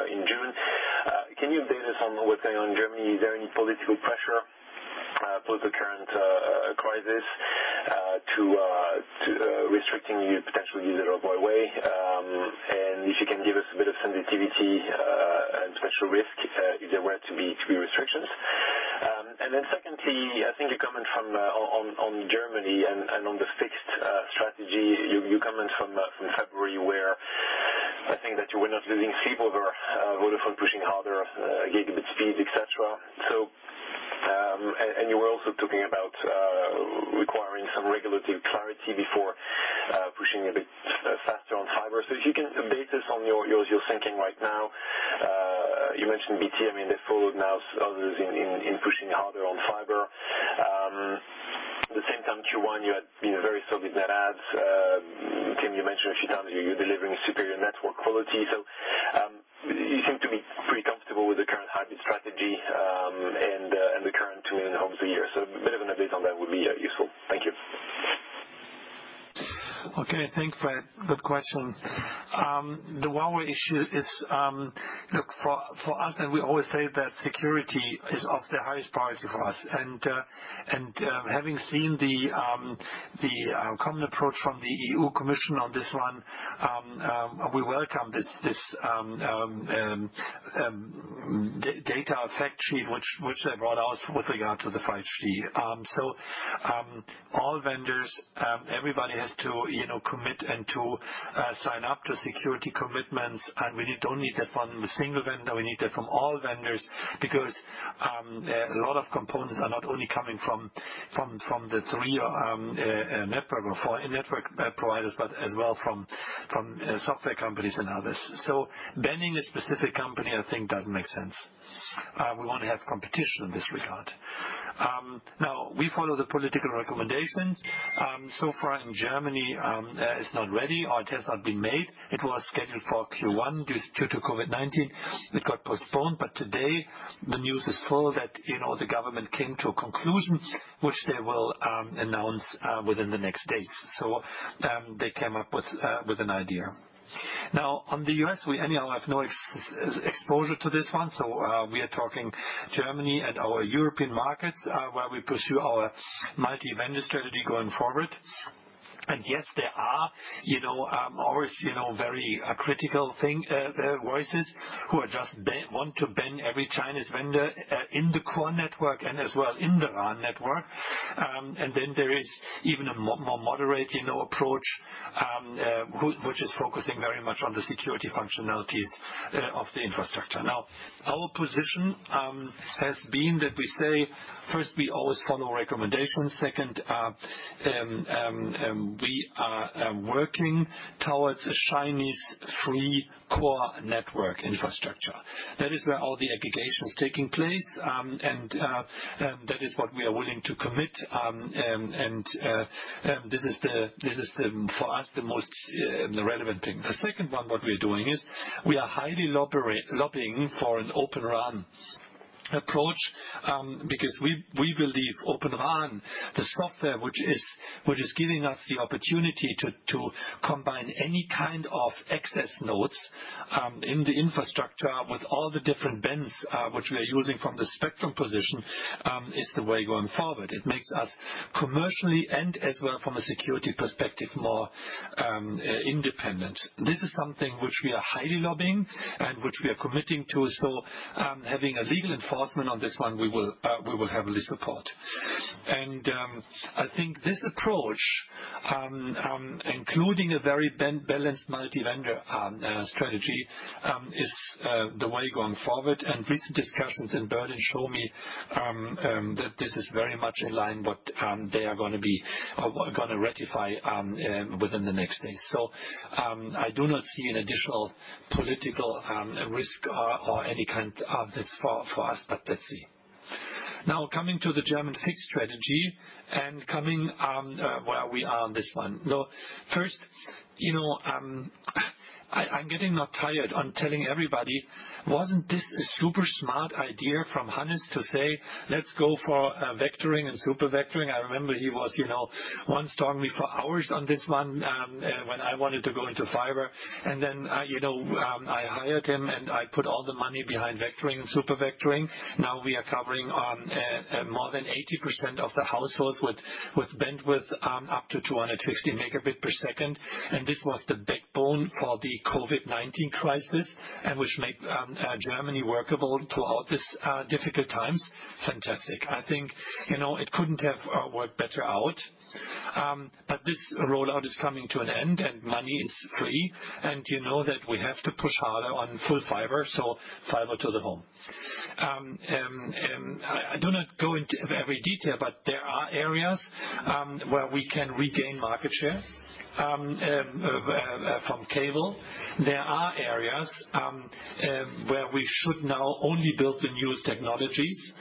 in June. Can you update us on what's going on in Germany? Is there any political pressure both the current crisis to restricting you potentially the use of Huawei? If you can give us a bit of sensitivity and special risk if there were to be restrictions. Then secondly, I think your comment on Germany and on the fixed strategy, your comment from February where I think that you were not losing sleep over Vodafone pushing harder gigabit speed, et cetera. You were also talking about requiring some regulatory clarity before pushing a bit faster on fiber. If you can base us on your thinking right now. You mentioned BT, I mean, they followed now others in pushing harder on fiber. At the same time, Q1, you had very solid net adds. Tim, you mentioned a few times you're delivering superior network quality. You seem to be pretty comfortable with the current hybrid strategy, and the current 2 million homes a year. A bit of an update on that would be useful.
Thanks for that question. The Huawei issue is, look, for us and we always say that security is of the highest priority for us. Having seen the common approach from the European Commission on this one, we welcome this data fact sheet, which they brought out with regard to the 5G. All vendors, everybody has to commit and to sign up to security commitments. We don't need that from a single vendor, we need that from all vendors because a lot of components are not only coming from the three network providers, but as well from software companies and others. Banning a specific company, I think doesn't make sense. We want to have competition in this regard. Now we follow the political recommendations. Far in Germany, it's not ready or it has not been made. It was scheduled for Q1. Due to COVID-19, it got postponed, today the news is full that the government came to a conclusion which they will announce within the next days. They came up with an idea. Now on the U.S., we anyhow have no exposure to this one. We are talking Germany and our European markets where we pursue our multi-vendor strategy going forward. Yes, there are always very critical voices who want to ban every Chinese vendor in the core network and as well in the RAN network. There is even a more moderate approach, which is focusing very much on the security functionalities of the infrastructure. Our position has been that we say first, we always follow recommendations. Second, we are working towards a Chinese free core network infrastructure. That is where all the aggregation is taking place. That is what we are willing to commit. This is for us, the most relevant thing. The second one, what we are doing is we are highly lobbying for an Open RAN approach, because we believe Open RAN, the software, which is giving us the opportunity to combine any kind of access nodes in the infrastructure with all the different bands which we are using from the spectrum position, is the way going forward. It makes us commercially and as well from a security perspective, more independent. This is something which we are highly lobbying and which we are committing to. Having a legal enforcement on this one, we will heavily support. I think this approach including a very balanced multi-vendor strategy, is the way going forward. Recent discussions in Berlin show me that this is very much in line what they are going to ratify within the next days. I do not see an additional political risk or any kind of this for us. Let's see. Coming to the German fixed strategy and where we are on this one. Look, first, I'm getting not tired on telling everybody, wasn't this a super smart idea from Hannes to say, "Let's go for vectoring and super vectoring?" I remember he was once talking to me for hours on this one, when I wanted to go into fiber and then I hired him, and I put all the money behind vectoring and super vectoring. We are covering more than 80% of the households with bandwidth up to 250 megabit per second. This was the backbone for the COVID-19 crisis and which make Germany workable throughout these difficult times. Fantastic. I think it couldn't have worked better out. This rollout is coming to an end, and money is free, and you know that we have to push harder on full fiber, so fiber to the home. I do not go into every detail, but there are areas where we can regain market share from cable. There are areas where we should now only build the newest technologies.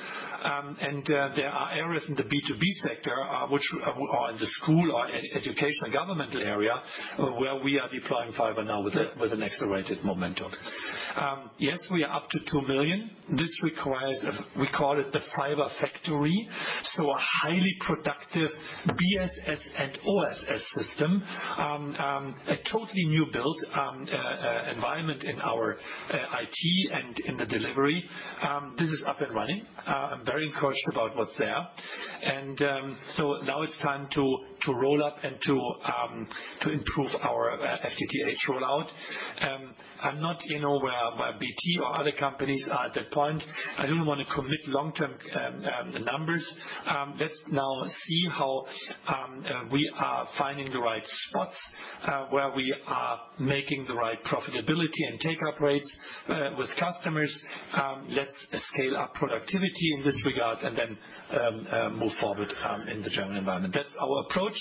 There are areas in the B2B sector or in the school or educational governmental area where we are deploying fiber now with an accelerated momentum. Yes, we are up to 2 million. This requires, we call it the Fiber Factory. A highly productive BSS and OSS system. A totally new build environment in our IT and in the delivery. This is up and running. I'm very encouraged about what's there. Now it's time to roll up and to improve our FTTH rollout. I'm not where BT or other companies are at that point. I don't want to commit long-term numbers. Let's now see how we are finding the right spots, where we are making the right profitability and take-up rates with customers. Let's scale up productivity in this regard and then move forward in the German environment. That's our approach.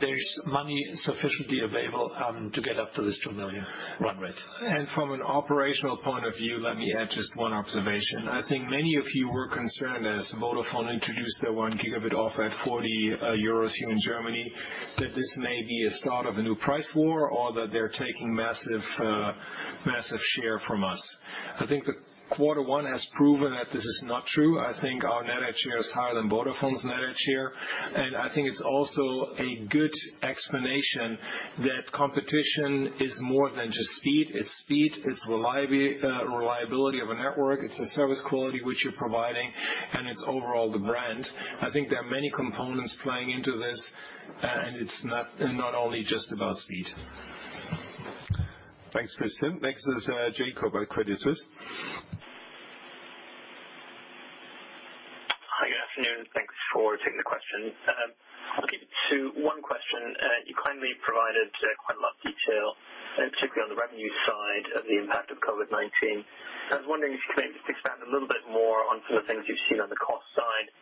There's money sufficiently available to get up to this 2 million run rate.
From an operational point of view, let me add just one observation. I think many of you were concerned as Vodafone introduced their one gigabit offer at 40 euros here in Germany, that this may be a start of a new price war or that they're taking massive share from us. I think the quarter one has proven that this is not true. I think our net share is higher than Vodafone's net share. I think it's also a good explanation that competition is more than just speed. It's speed, it's reliability of a network, it's a service quality which you're providing, and it's overall the brand. I think there are many components playing into this, and it's not only just about speed.
Thanks, Christian. Next is Jakob at Credit Suisse.
Hi, good afternoon. Thanks for taking the question. I'll keep it to one question. You kindly provided quite a lot of detail, and particularly on the revenue side of the impact of COVID-19. I was wondering if you could maybe just expand a little bit more on some of the things you've seen on the cost side,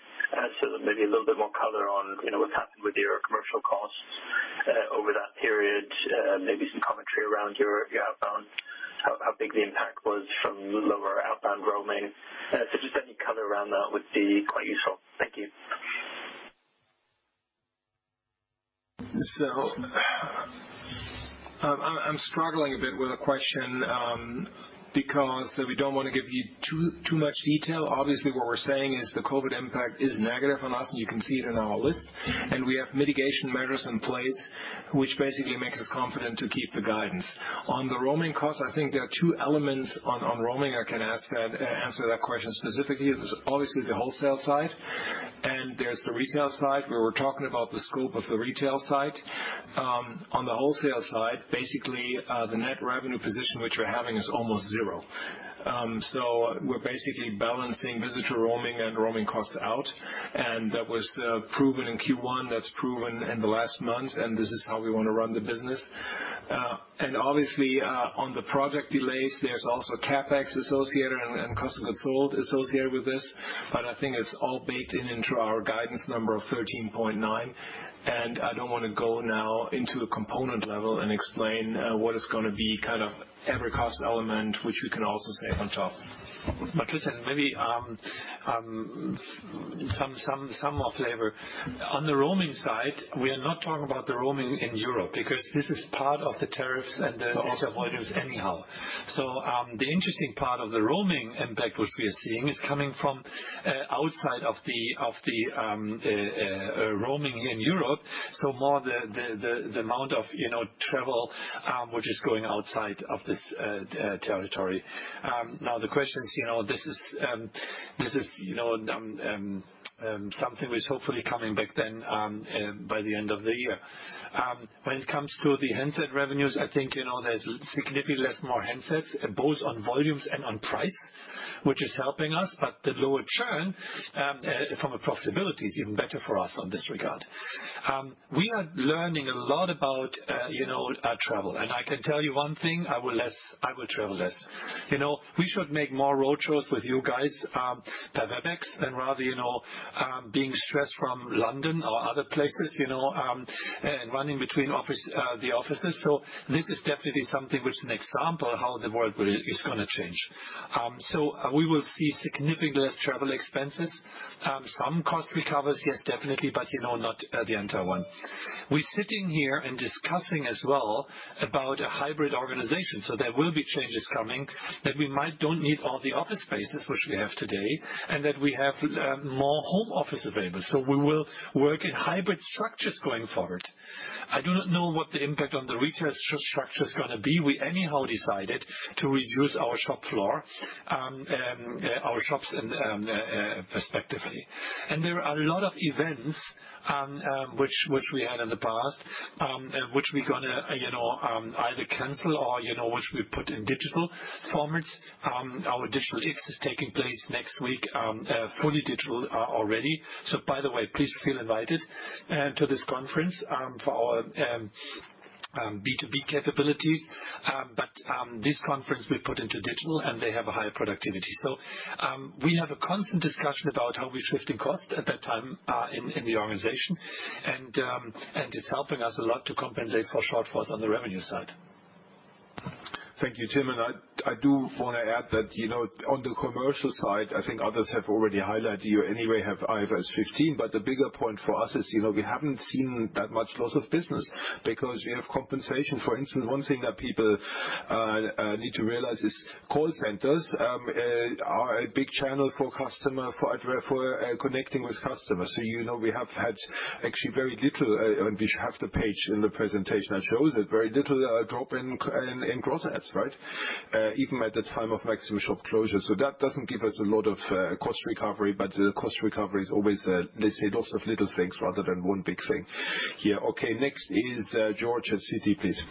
so that maybe a little bit more color on what's happened with your commercial costs over that period, maybe some commentary around your outbound, how big the impact was from lower outbound roaming. Just any color around that would be quite useful. Thank you.
I'm struggling a bit with the question because we don't want to give you too much detail. Obviously, what we're saying is the COVID impact is negative on us, and you can see it in our list. We have mitigation measures in place, which basically makes us confident to keep the guidance. On the roaming costs, I think there are two elements on roaming I can answer that question specifically. There's obviously the wholesale side, and there's the retail side, where we're talking about the scope of the retail side. On the wholesale side, basically, the net revenue position which we're having is almost zero. We're basically balancing visitor roaming and roaming costs out, and that was proven in Q1, that's proven in the last months, and this is how we want to run the business. Obviously, on the project delays, there's also CapEx associated and cost of goods sold associated with this, but I think it's all baked in into our guidance number of 13.9. I don't want to go now into the component level and explain what is going to be every cost element, which we can also save on top.
Listen, maybe some more flavor. On the roaming side, we are not talking about the roaming in Europe, because this is part of the tariffs and there is avoidance anyhow. The interesting part of the roaming impact, which we are seeing, is coming from outside of the roaming in Europe, so more the amount of travel which is going outside of this territory. The question is, this is something which hopefully coming back then by the end of the year. When it comes to the handset revenues, I think, there's significantly less more handsets, both on volumes and on price, which is helping us. The lower churn from a profitability is even better for us on this regard. We are learning a lot about travel. I can tell you one thing, I will travel less. We should make more road shows with you guys by Webex than rather being stressed from London or other places, and running between the offices. This is definitely something which is an example of how the world is going to change. We will see significantly less travel expenses. Some cost recovers, yes, definitely, but not the entire one. We're sitting here and discussing as well about a hybrid organization. There will be changes coming that we might don't need all the office spaces which we have today, and that we have more home office available. We will work in hybrid structures going forward. I do not know what the impact on the retail structure is going to be. We anyhow decided to reduce our shop floor, our shops respectively. There are a lot of events, which we had in the past, which we got to either cancel or which we put in digital formats. Our Digital X is taking place next week, fully digital already. By the way, please feel invited to this conference, for our B2B capabilities. This conference we put into digital, and they have a higher productivity. We have a constant discussion about how we're shifting costs at that time in the organization. It's helping us a lot to compensate for shortfalls on the revenue side.
Thank you, Tim. I do want to add that on the commercial side, I think others have already highlighted, you anyway have IFRS 15. The bigger point for us is we haven't seen that much loss of business because we have compensation. For instance, one thing that people need to realize is call centers are a big channel for connecting with customers. You know we have had actually very little, and we have the page in the presentation that shows it, very little drop in gross adds. Even at the time of maximum shop closure. That doesn't give us a lot of cost recovery, but cost recovery is always, let's say, lots of little things rather than one big thing here. Okay, next is George at Citi, please.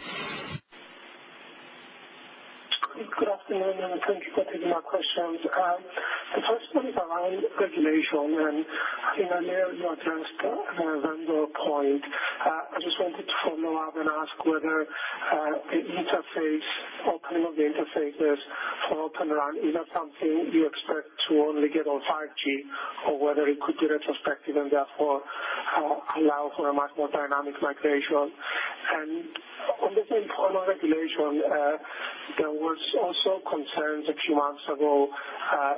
Good afternoon. Thank you for taking my questions. The first one is around regulation, and earlier you addressed a vendor point. I just wanted to follow up and ask whether the opening of the interface for Open RAN is that something you expect to only get on 5G or whether it could be retrospective and therefore allow for a much more dynamic migration. On the same point on regulation, there was also concerns a few months ago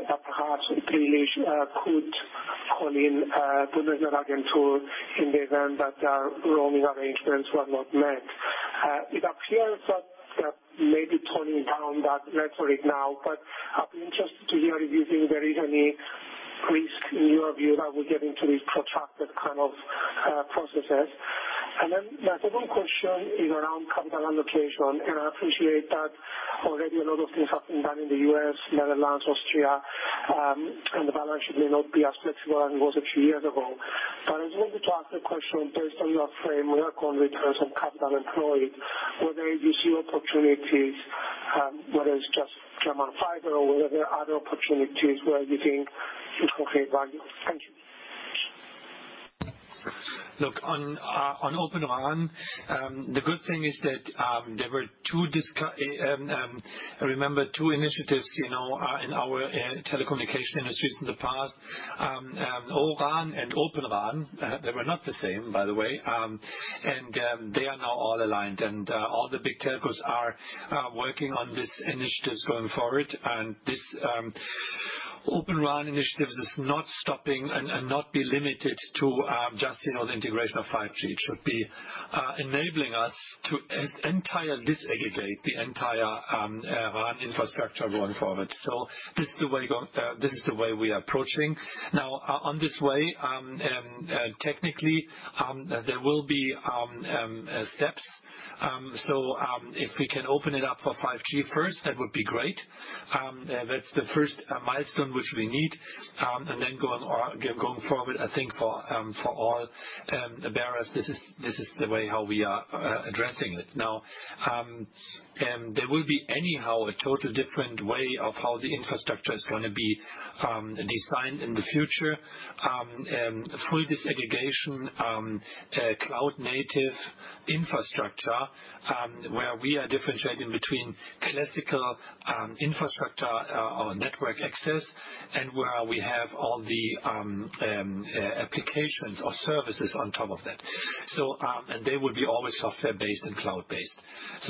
that perhaps the British could call in Bundesnetzagentur in the event that their roaming arrangements were not met. It appears that they may be toning down that rhetoric now, but is using very heavy risk in your view that we get into these protracted processes? My second question is around capital allocation. I appreciate that already a lot of things have been done in the U.S., Netherlands, Austria, and the balance sheet may not be as flexible as it was a few years ago. I just wanted to ask a question based on your framework on returns on capital employed, whether you see opportunities, whether it's just German fiber or whether there are other opportunities where you think it will create value. Thank you.
On Open O-RAN, the good thing is that there were, I remember, two initiatives in our telecommunication industries in the past. ORAN and Open RAN. They were not the same, by the way. They are now all aligned, and all the big telcos are working on these initiatives going forward. This Open RAN initiative is not stopping and not be limited to just the integration of 5G. It should be enabling us to entire disaggregate the entire RAN infrastructure going forward. This is the way we are approaching. On this way, technically, there will be steps. If we can open it up for 5G first, that would be great. That's the first milestone which we need. Going forward, I think for all bearers, this is the way how we are addressing it now. There will be anyhow a total different way of how the infrastructure is going to be designed in the future. Through disaggregation, cloud-native infrastructure, where we are differentiating between classical infrastructure or network access, and where we have all the applications or services on top of that. They will be always software-based and cloud-based.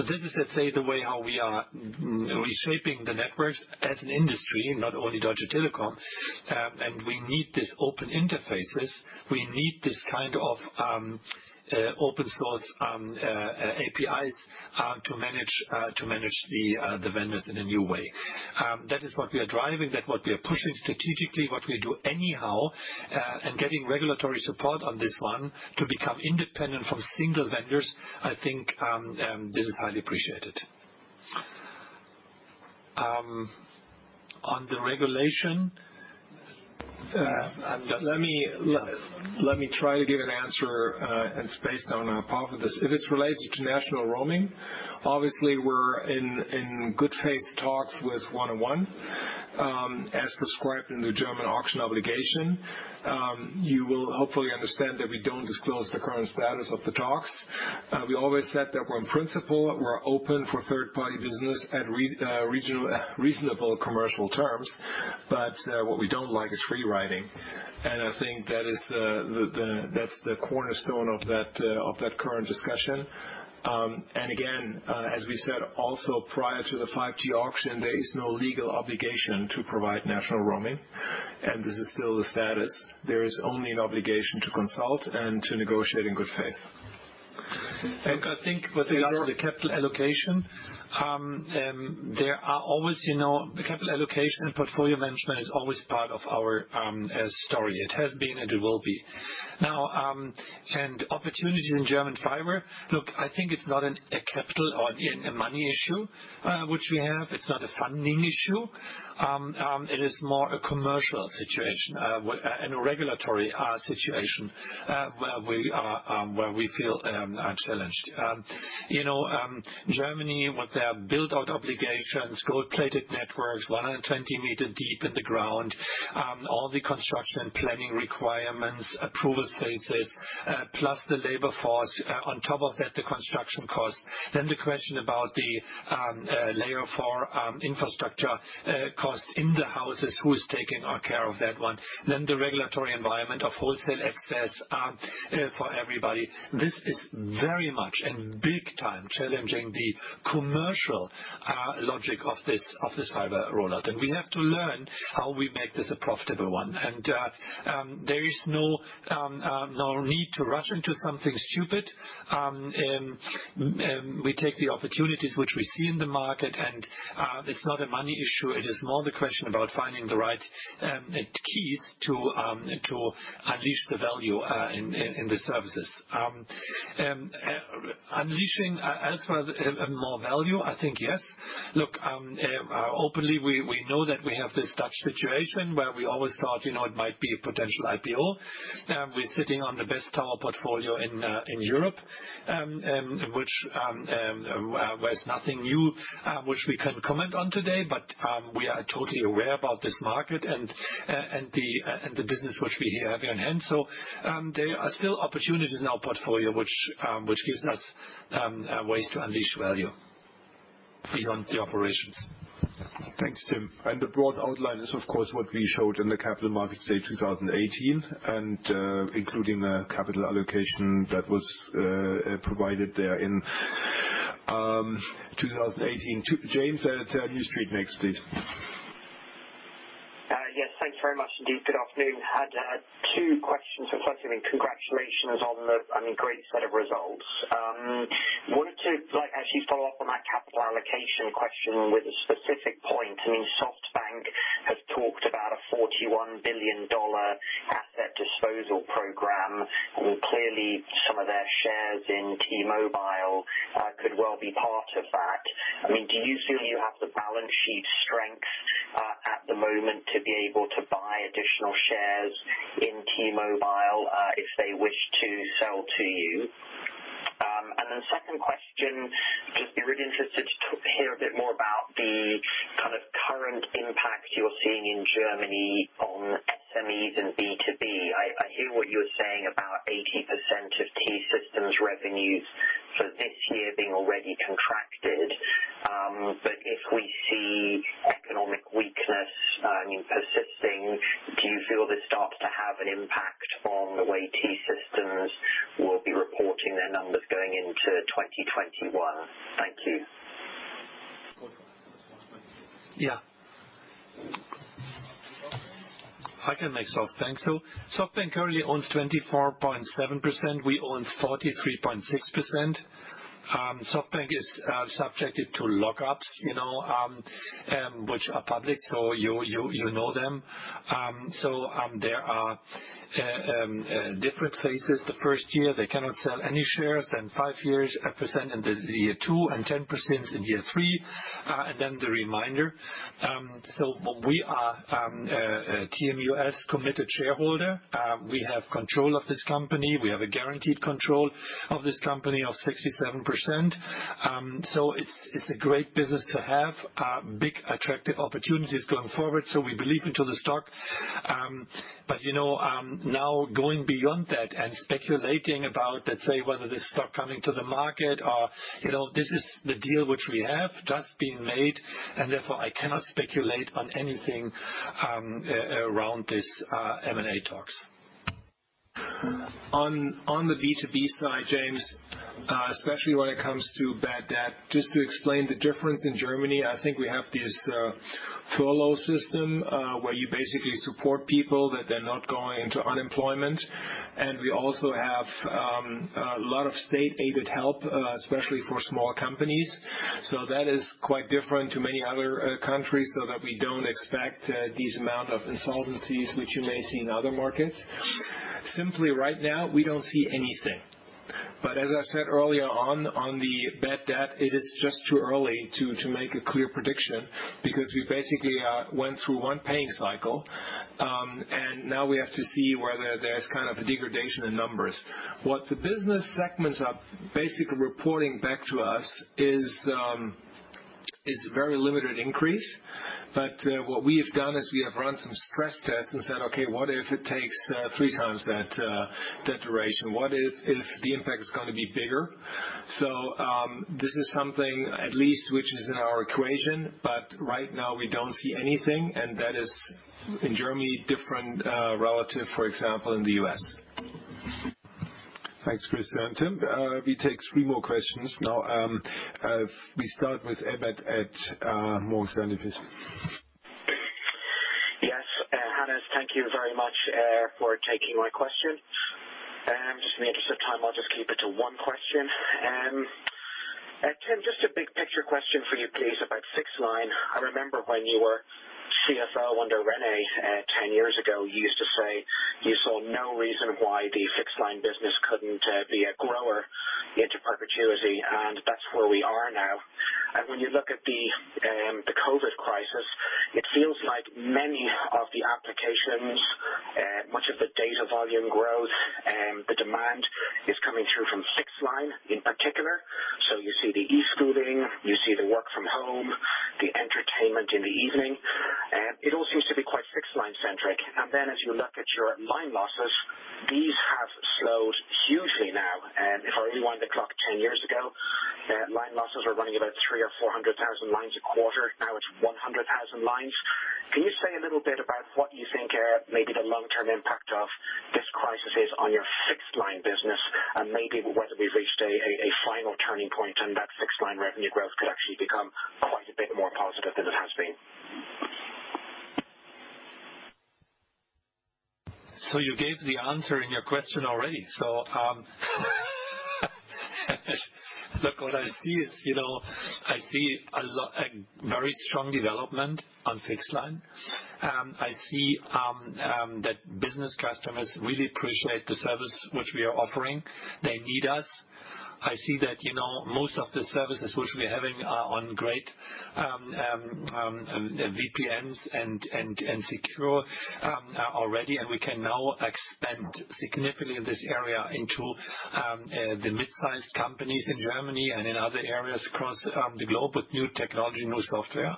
This is, let's say, the way how we are reshaping the networks as an industry, not only Deutsche Telekom. We need these open interfaces. We need this kind of open source APIs, to manage the vendors in a new way. That is what we are driving, that what we are pushing strategically, what we do anyhow, and getting regulatory support on this one to become independent from single vendors, I think, this is highly appreciated.
On the regulation, let me try to give an answer, it's based on part of this. If it's related to national roaming, obviously we're in good faith talks with 1&1, as prescribed in the German auction obligation. You will hopefully understand that we don't disclose the current status of the talks. We always said that we're in principle, we're open for third-party business at reasonable commercial terms. What we don't like is free riding. I think that's the cornerstone of that current discussion. Again, as we said, also prior to the 5G auction, there is no legal obligation to provide national roaming. This is still the status. There is only an obligation to consult and to negotiate in good faith.
I think with regard to the capital allocation, the capital allocation and portfolio management is always part of our story. It has been, and it will be. Now, an opportunity in German fiber. Look, I think it's not a capital or a money issue, which we have. It's not a funding issue. It is more a commercial situation, and a regulatory situation, where we feel challenged. Germany, with their build-out obligations, gold-plated networks, 1.20 meters deep in the ground, all the construction and planning requirements, approval phases, plus the labor force. On top of that, the construction cost. The question about the layer 4 infrastructure cost in the houses, who's taking care of that one? The regulatory environment of wholesale access for everybody. This is very much and big time challenging the commercial logic of this fiber rollout. We have to learn how we make this a profitable one. There is no need to rush into something stupid. We take the opportunities which we see in the market. It's not a money issue. It is more the question about finding the right keys to unleash the value in the services. Unleashing as for more value, I think yes. Look, openly, we know that we have this Dutch situation where we always thought it might be a potential IPO. We are sitting on the best tower portfolio in Europe, where there is nothing new which we can comment on today. We are totally aware about this market and the business which we have in hand. There are still opportunities in our portfolio which gives us ways to unleash value beyond the operations.
Thanks, Tim. The broad outline is, of course, what we showed in the Capital Markets Day 2018, including the capital allocation that was provided there in 2018. James, New Street next, please.
Yes. Thanks very much indeed. Good afternoon. I had two questions. First, congratulations on the great set of results. I wanted to actually follow up on that capital allocation question with a specific point. SoftBank has talked about a $41 billion asset disposal program. Clearly, some of their shares in T-Mobile could well be part of that. Do you feel you have the balance sheet strength at the moment to be able to buy additional shares in T-Mobile, if they wish to sell to you? Second question, just be really interested to hear a bit more about the kind of current impact you're seeing in Germany on SMEs and B2B. I hear what you're saying about 80% of T-Systems revenues for this year being already contracted. If we see economic weakness persisting, do you feel this starts to have an impact on the way T-Systems will be reporting their numbers going into 2021? Thank you.
Yeah. I can make SoftBank. SoftBank currently owns 24.7%. We own 43.6%. SoftBank is subjected to lockups, which are public, so you know them. There are different phases. The first year, they cannot sell any shares. Then 5% in the year two and 10% in year three, and then the remainder. We are a TMUS committed shareholder. We have control of this company. We have a guaranteed control of this company of 67%. It's a great business to have. Big, attractive opportunities going forward. We believe into the stock. Now going beyond that and speculating about, let's say, whether this stock coming to the market or this is the deal which we have just being made, and therefore I cannot speculate on anything around this M&A talks.
On the B2B side, James, especially when it comes to bad debt, just to explain the difference in Germany, I think we have this furlough system, where you basically support people, that they're not going into unemployment. We also have a lot of state-aided help, especially for small companies. That is quite different to many other countries, so that we don't expect these amount of insolvencies, which you may see in other markets. Simply right now, we don't see anything. As I said earlier on the bad debt, it is just too early to make a clear prediction because we basically went through one paying cycle. Now we have to see whether there's a degradation in numbers. What the business segments are basically reporting back to us is very limited increase. What we have done is we have run some stress tests and said, "Okay, what if it takes three times that duration? What if the impact is going to be bigger?" This is something at least which is in our equation, but right now we don't see anything, and that is in Germany, different relative, for example, in the U.S.
Thanks, Christian. Tim, we take three more questions now. We start with Emmet at Morgan Stanley please.
Yes. Hannes, thank you very much for taking my question. Just in the interest of time, I'll just keep it to one question. Tim, just a big picture question for you, please, about fixed-line. I remember when you were CFO under René, 10 years ago, you used to say you saw no reason why the fixed-line business couldn't be a grower into perpetuity, and that's where we are now. When you look at the COVID-19 crisis, it feels like many of the applications, much of the data volume growth, the demand is coming through from fixed-line in particular. You see the e-schooling, you see the work from home, the entertainment in the evening. It all seems to be quite fixed-line centric. Then as you look at your line losses, these have slowed hugely now. If I rewind the clock 10 years ago, line losses were running about 300,000 or 400,000 lines a quarter. Now it's 100,000 lines. Can you say a little bit about what you think maybe the long-term impact of this crisis is on your fixed line business, and maybe whether we've reached a final turning point and that fixed line revenue growth could actually become quite a bit more positive than it has been?
You gave the answer in your question already. Look, what I see is I see a very strong development on fixed line. I see that business customers really appreciate the service which we are offering. They need us. I see that most of the services which we are having are on great VPNs and secure already, and we can now expand significantly in this area into the midsize companies in Germany and in other areas across the globe with new technology, new software.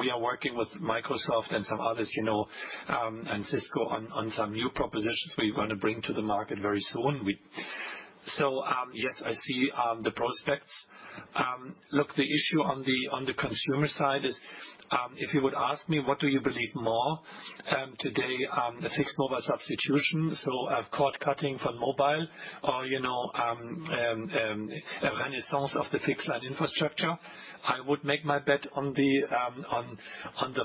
We are working with Microsoft and some others, and Cisco, on some new propositions we want to bring to the market very soon. Yes, I see the prospects. Look, the issue on the consumer side is, if you would ask me, what do you believe more today? The fixed mobile substitution, so cord cutting for mobile or a renaissance of the fixed-line infrastructure? I would make my bet on the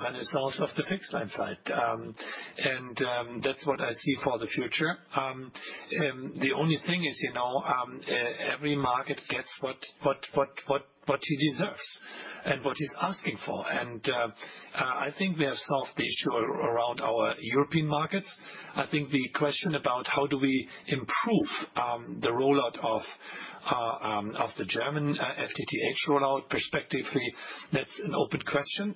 renaissance of the fixed-line side. That's what I see for the future. The only thing is, every market gets what it deserves and what it's asking for. I think we have solved the issue around our European markets. I think the question about how do we improve the rollout of the German FTTH rollout perspectively, that's an open question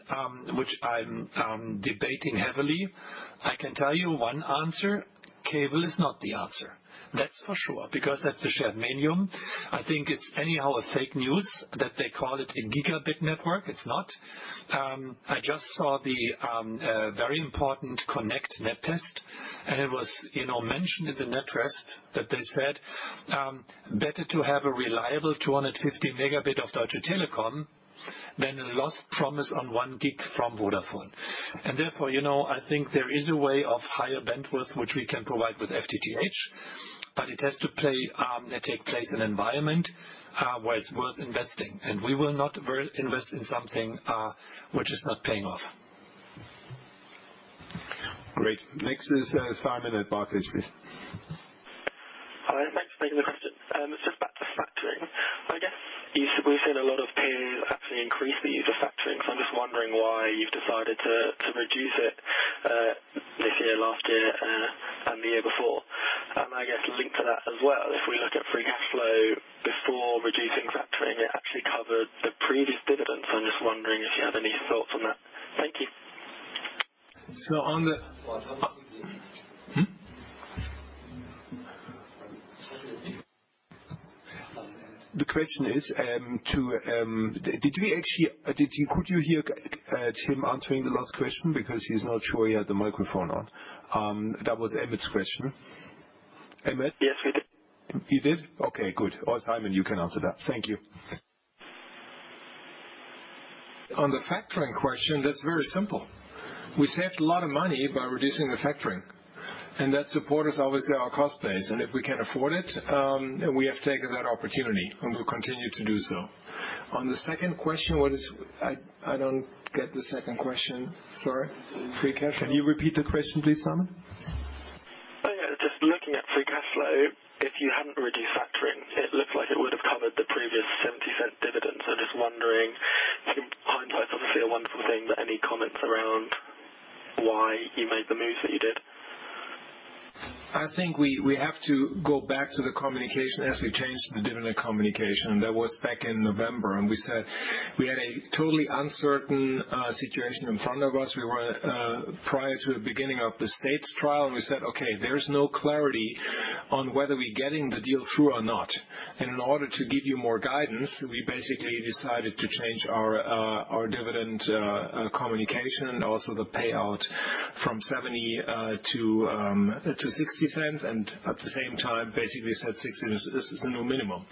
which I'm debating heavily. I can tell you one answer. Cable is not the answer. That's for sure, because that's the shared medium. I think it's anyhow a fake news that they call it a gigabit network. It's not. I just saw the very important Connect net test and it was mentioned in the net test that they said, better to have a reliable 250 megabit of Deutsche Telekom than a lost promise on one gig from Vodafone. Therefore, I think there is a way of higher bandwidth, which we can provide with FTTH, but it has to take place in environment where it's worth investing. We will not invest in something which is not paying off.
Great. Next is Simon at Barclays, please.
Hi, thanks for taking the question. It's just back to factoring. I guess we've seen a lot of peers actually increase the use of factoring, so I'm just wondering why you've decided to reduce it this year, last year and the year before. I guess linked to that as well, if we look at free cash flow before reducing factoring, it actually covered the previous dividends. I'm just wondering if you have any thoughts on that. Thank you.
Hmm? The question is, could you hear Tim answering the last question because he's not sure he had the microphone on? That was Emmet's question. Emmet?
Yes, we did.
You did? Okay, good. Simon, you can answer that. Thank you.
On the factoring question, that's very simple. We saved a lot of money by reducing the factoring, and that support is obviously our cost base, and if we can afford it, we have taken that opportunity, and we'll continue to do so. On the second question, I don't get the second question. Sorry.
Free cash flow. Can you repeat the question, please, Simon?
Oh, yeah. Just looking at free cash flow, if you hadn't reduced factoring, it looked like it would have covered the previous 0.70 dividends. I'm just wondering, hindsight's obviously a wonderful thing, but any comments around why you made the moves that you did?
I think we have to go back to the communication as we changed the dividend communication. That was back in November, and we said we had a totally uncertain situation in front of us. We were prior to the beginning of the States trial, and we said, okay, there is no clarity on whether we're getting the deal through or not. In order to give you more guidance, we basically decided to change our dividend communication and also the payout from 70 to 0.60, and at the same time basically said 60, this is the new minimum.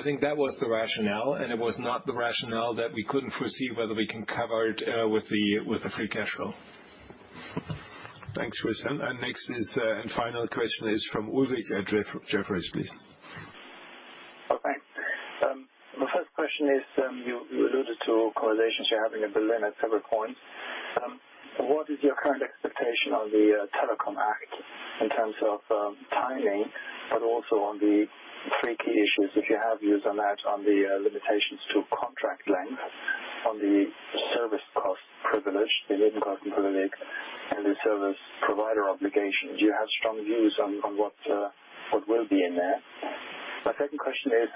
I think that was the rationale, and it was not the rationale that we couldn't foresee whether we can cover it with the free cash flow.
Thanks, Christian. Next and final question is from Ulrich at Jefferies, please.
Oh, thanks. The first question is, you alluded to conversations you're having in Berlin at several points. What is your current expectation on the Telecommunications Act in terms of timing, but also on the three key issues, if you have views on that, on the limitations to contract length, on the service cost privilege, the Nebenkostenprivileg, and the service provider obligations? Do you have strong views on what will be in there? My second question is,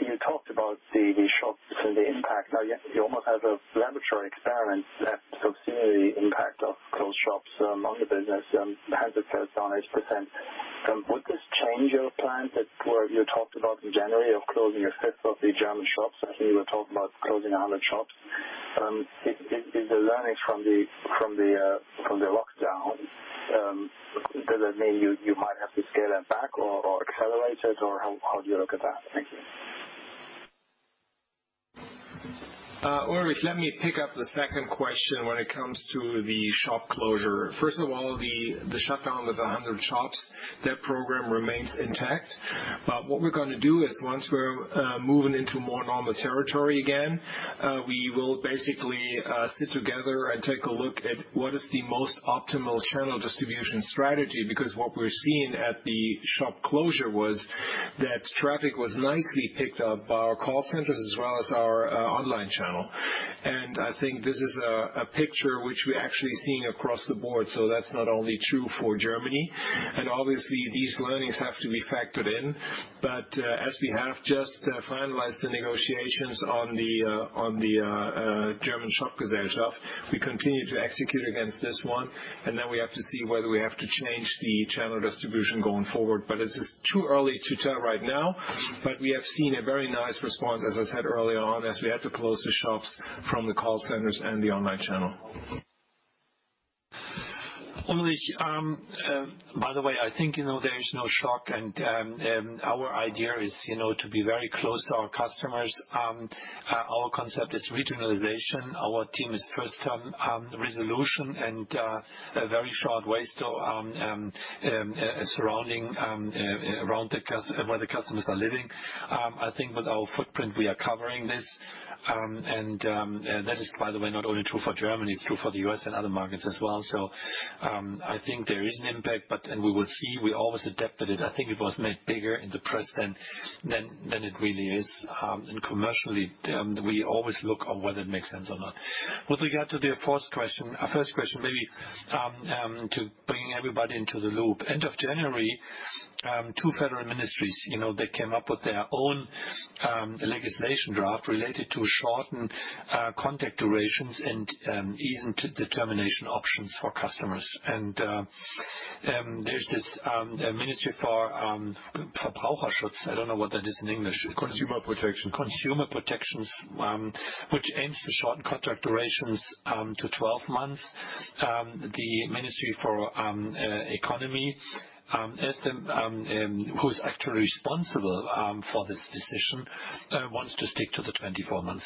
you talked about the shops and the impact. Now, you almost have a laboratory experiment left to observe the impact of closed shops among the business. Has it been 100 percent? Would this change your plans that you talked about in January of closing a fifth of the German shops? I think you were talking about closing 100 shops. Is the learnings from the lockdown, does it mean you might have to scale it back or accelerate it? How do you look at that? Thank you.
Ulrich, let me pick up the second question when it comes to the shop closure. The shutdown of 100 shops, that program remains intact. What we're going to do is once we're moving into more normal territory again, we will basically sit together and take a look at what is the most optimal channel distribution strategy, because what we're seeing at the shop closure was that traffic was nicely picked up by our call centers as well as our online channel. I think this is a picture which we're actually seeing across the board. That's not only true for Germany. Obviously, these learnings have to be factored in. As we have just finalized the negotiations on the German Shopgesellschaft, we continue to execute against this one, and then we have to see whether we have to change the channel distribution going forward.
This is too early to tell right now. We have seen a very nice response, as I said early on, as we had to close the shops from the call centers and the online channel. Ulrich, by the way, I think there is no shock, and our idea is to be very close to our customers. Our concept is regionalization. Our team is first on resolution and a very short way surrounding where the customers are living. I think with our footprint, we are covering this, and that is, by the way, not only true for Germany, it's true for the U.S. and other markets as well. I think there is an impact, and we will see, we always adapt it. I think it was made bigger in the press than it really is. Commercially, we always look on whether it makes sense or not. With regard to the first question, maybe to bring everybody into the loop. End of January, two federal ministries, they came up with their own legislation draft related to shortened contract durations and easy termination options for customers. There's this ministry for I don't know what that is in English.
Consumer protection.
Consumer protections, which aims to shorten contract durations to 12 months. The Ministry for Economy, who is actually responsible for this decision, wants to stick to the 24 months.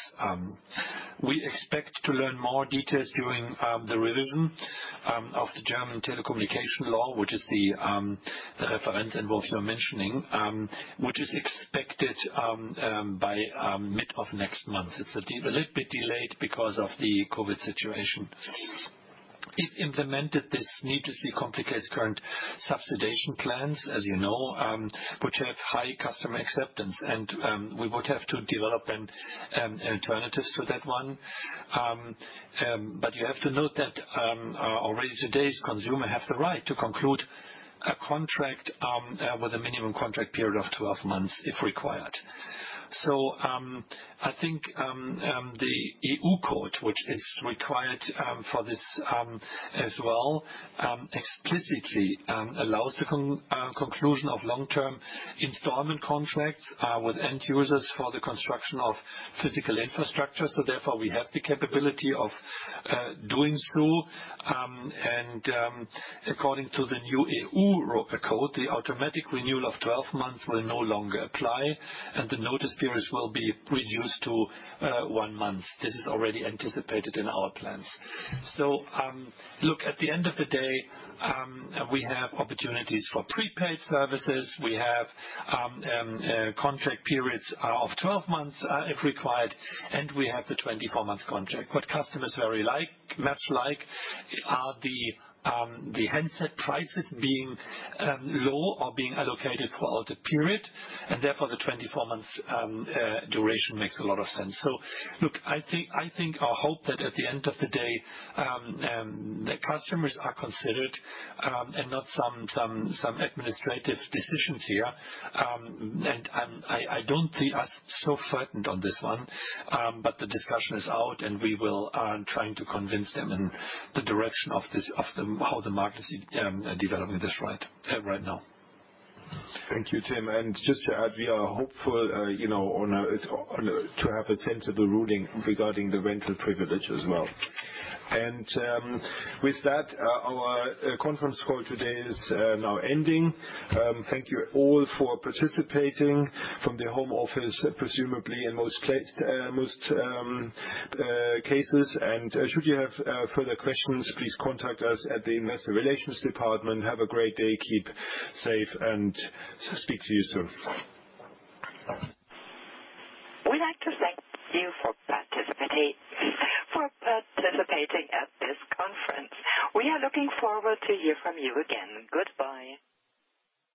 We expect to learn more details during the revision of the German Telecommunications Act, which is the reference involved you're mentioning, which is expected by mid of next month. It's a little bit delayed because of the COVID-19 situation. If implemented, this needlessly complicates current subsidization plans, as you know, which have high customer acceptance. We would have to develop alternatives to that one. You have to note that already today, consumers have the right to conclude a contract with a minimum contract period of 12 months if required. I think, the European Electronic Communications Code, which is required for this as well, explicitly allows the conclusion of long-term installment contracts with end users for the construction of physical infrastructure. Therefore, we have the capability of doing so. According to the new EU code, the automatic renewal of 12 months will no longer apply, and the notice period will be reduced to one month. This is already anticipated in our plans. Look, at the end of the day, we have opportunities for prepaid services. We have contract periods of 12 months if required, and we have the 24-months contract. What customers very much like are the handset prices being low or being allocated for the period, and therefore the 24 months duration makes a lot of sense. Look, I think or hope that at the end of the day, the customers are considered, and not some administrative decisions here. I don't see us so frightened on this one. The discussion is out, and we will try to convince them in the direction of how the market is developing this right now.
Thank you, Tim. Just to add, we are hopeful to have a sensible ruling regarding the rental privilege as well. With that, our conference call today is now ending. Thank you all for participating from the home office, presumably in most cases. Should you have further questions, please contact us at the investor relations department. Have a great day, keep safe, and speak to you soon.
We'd like to thank you for participating at this conference. We are looking forward to hear from you again. Goodbye.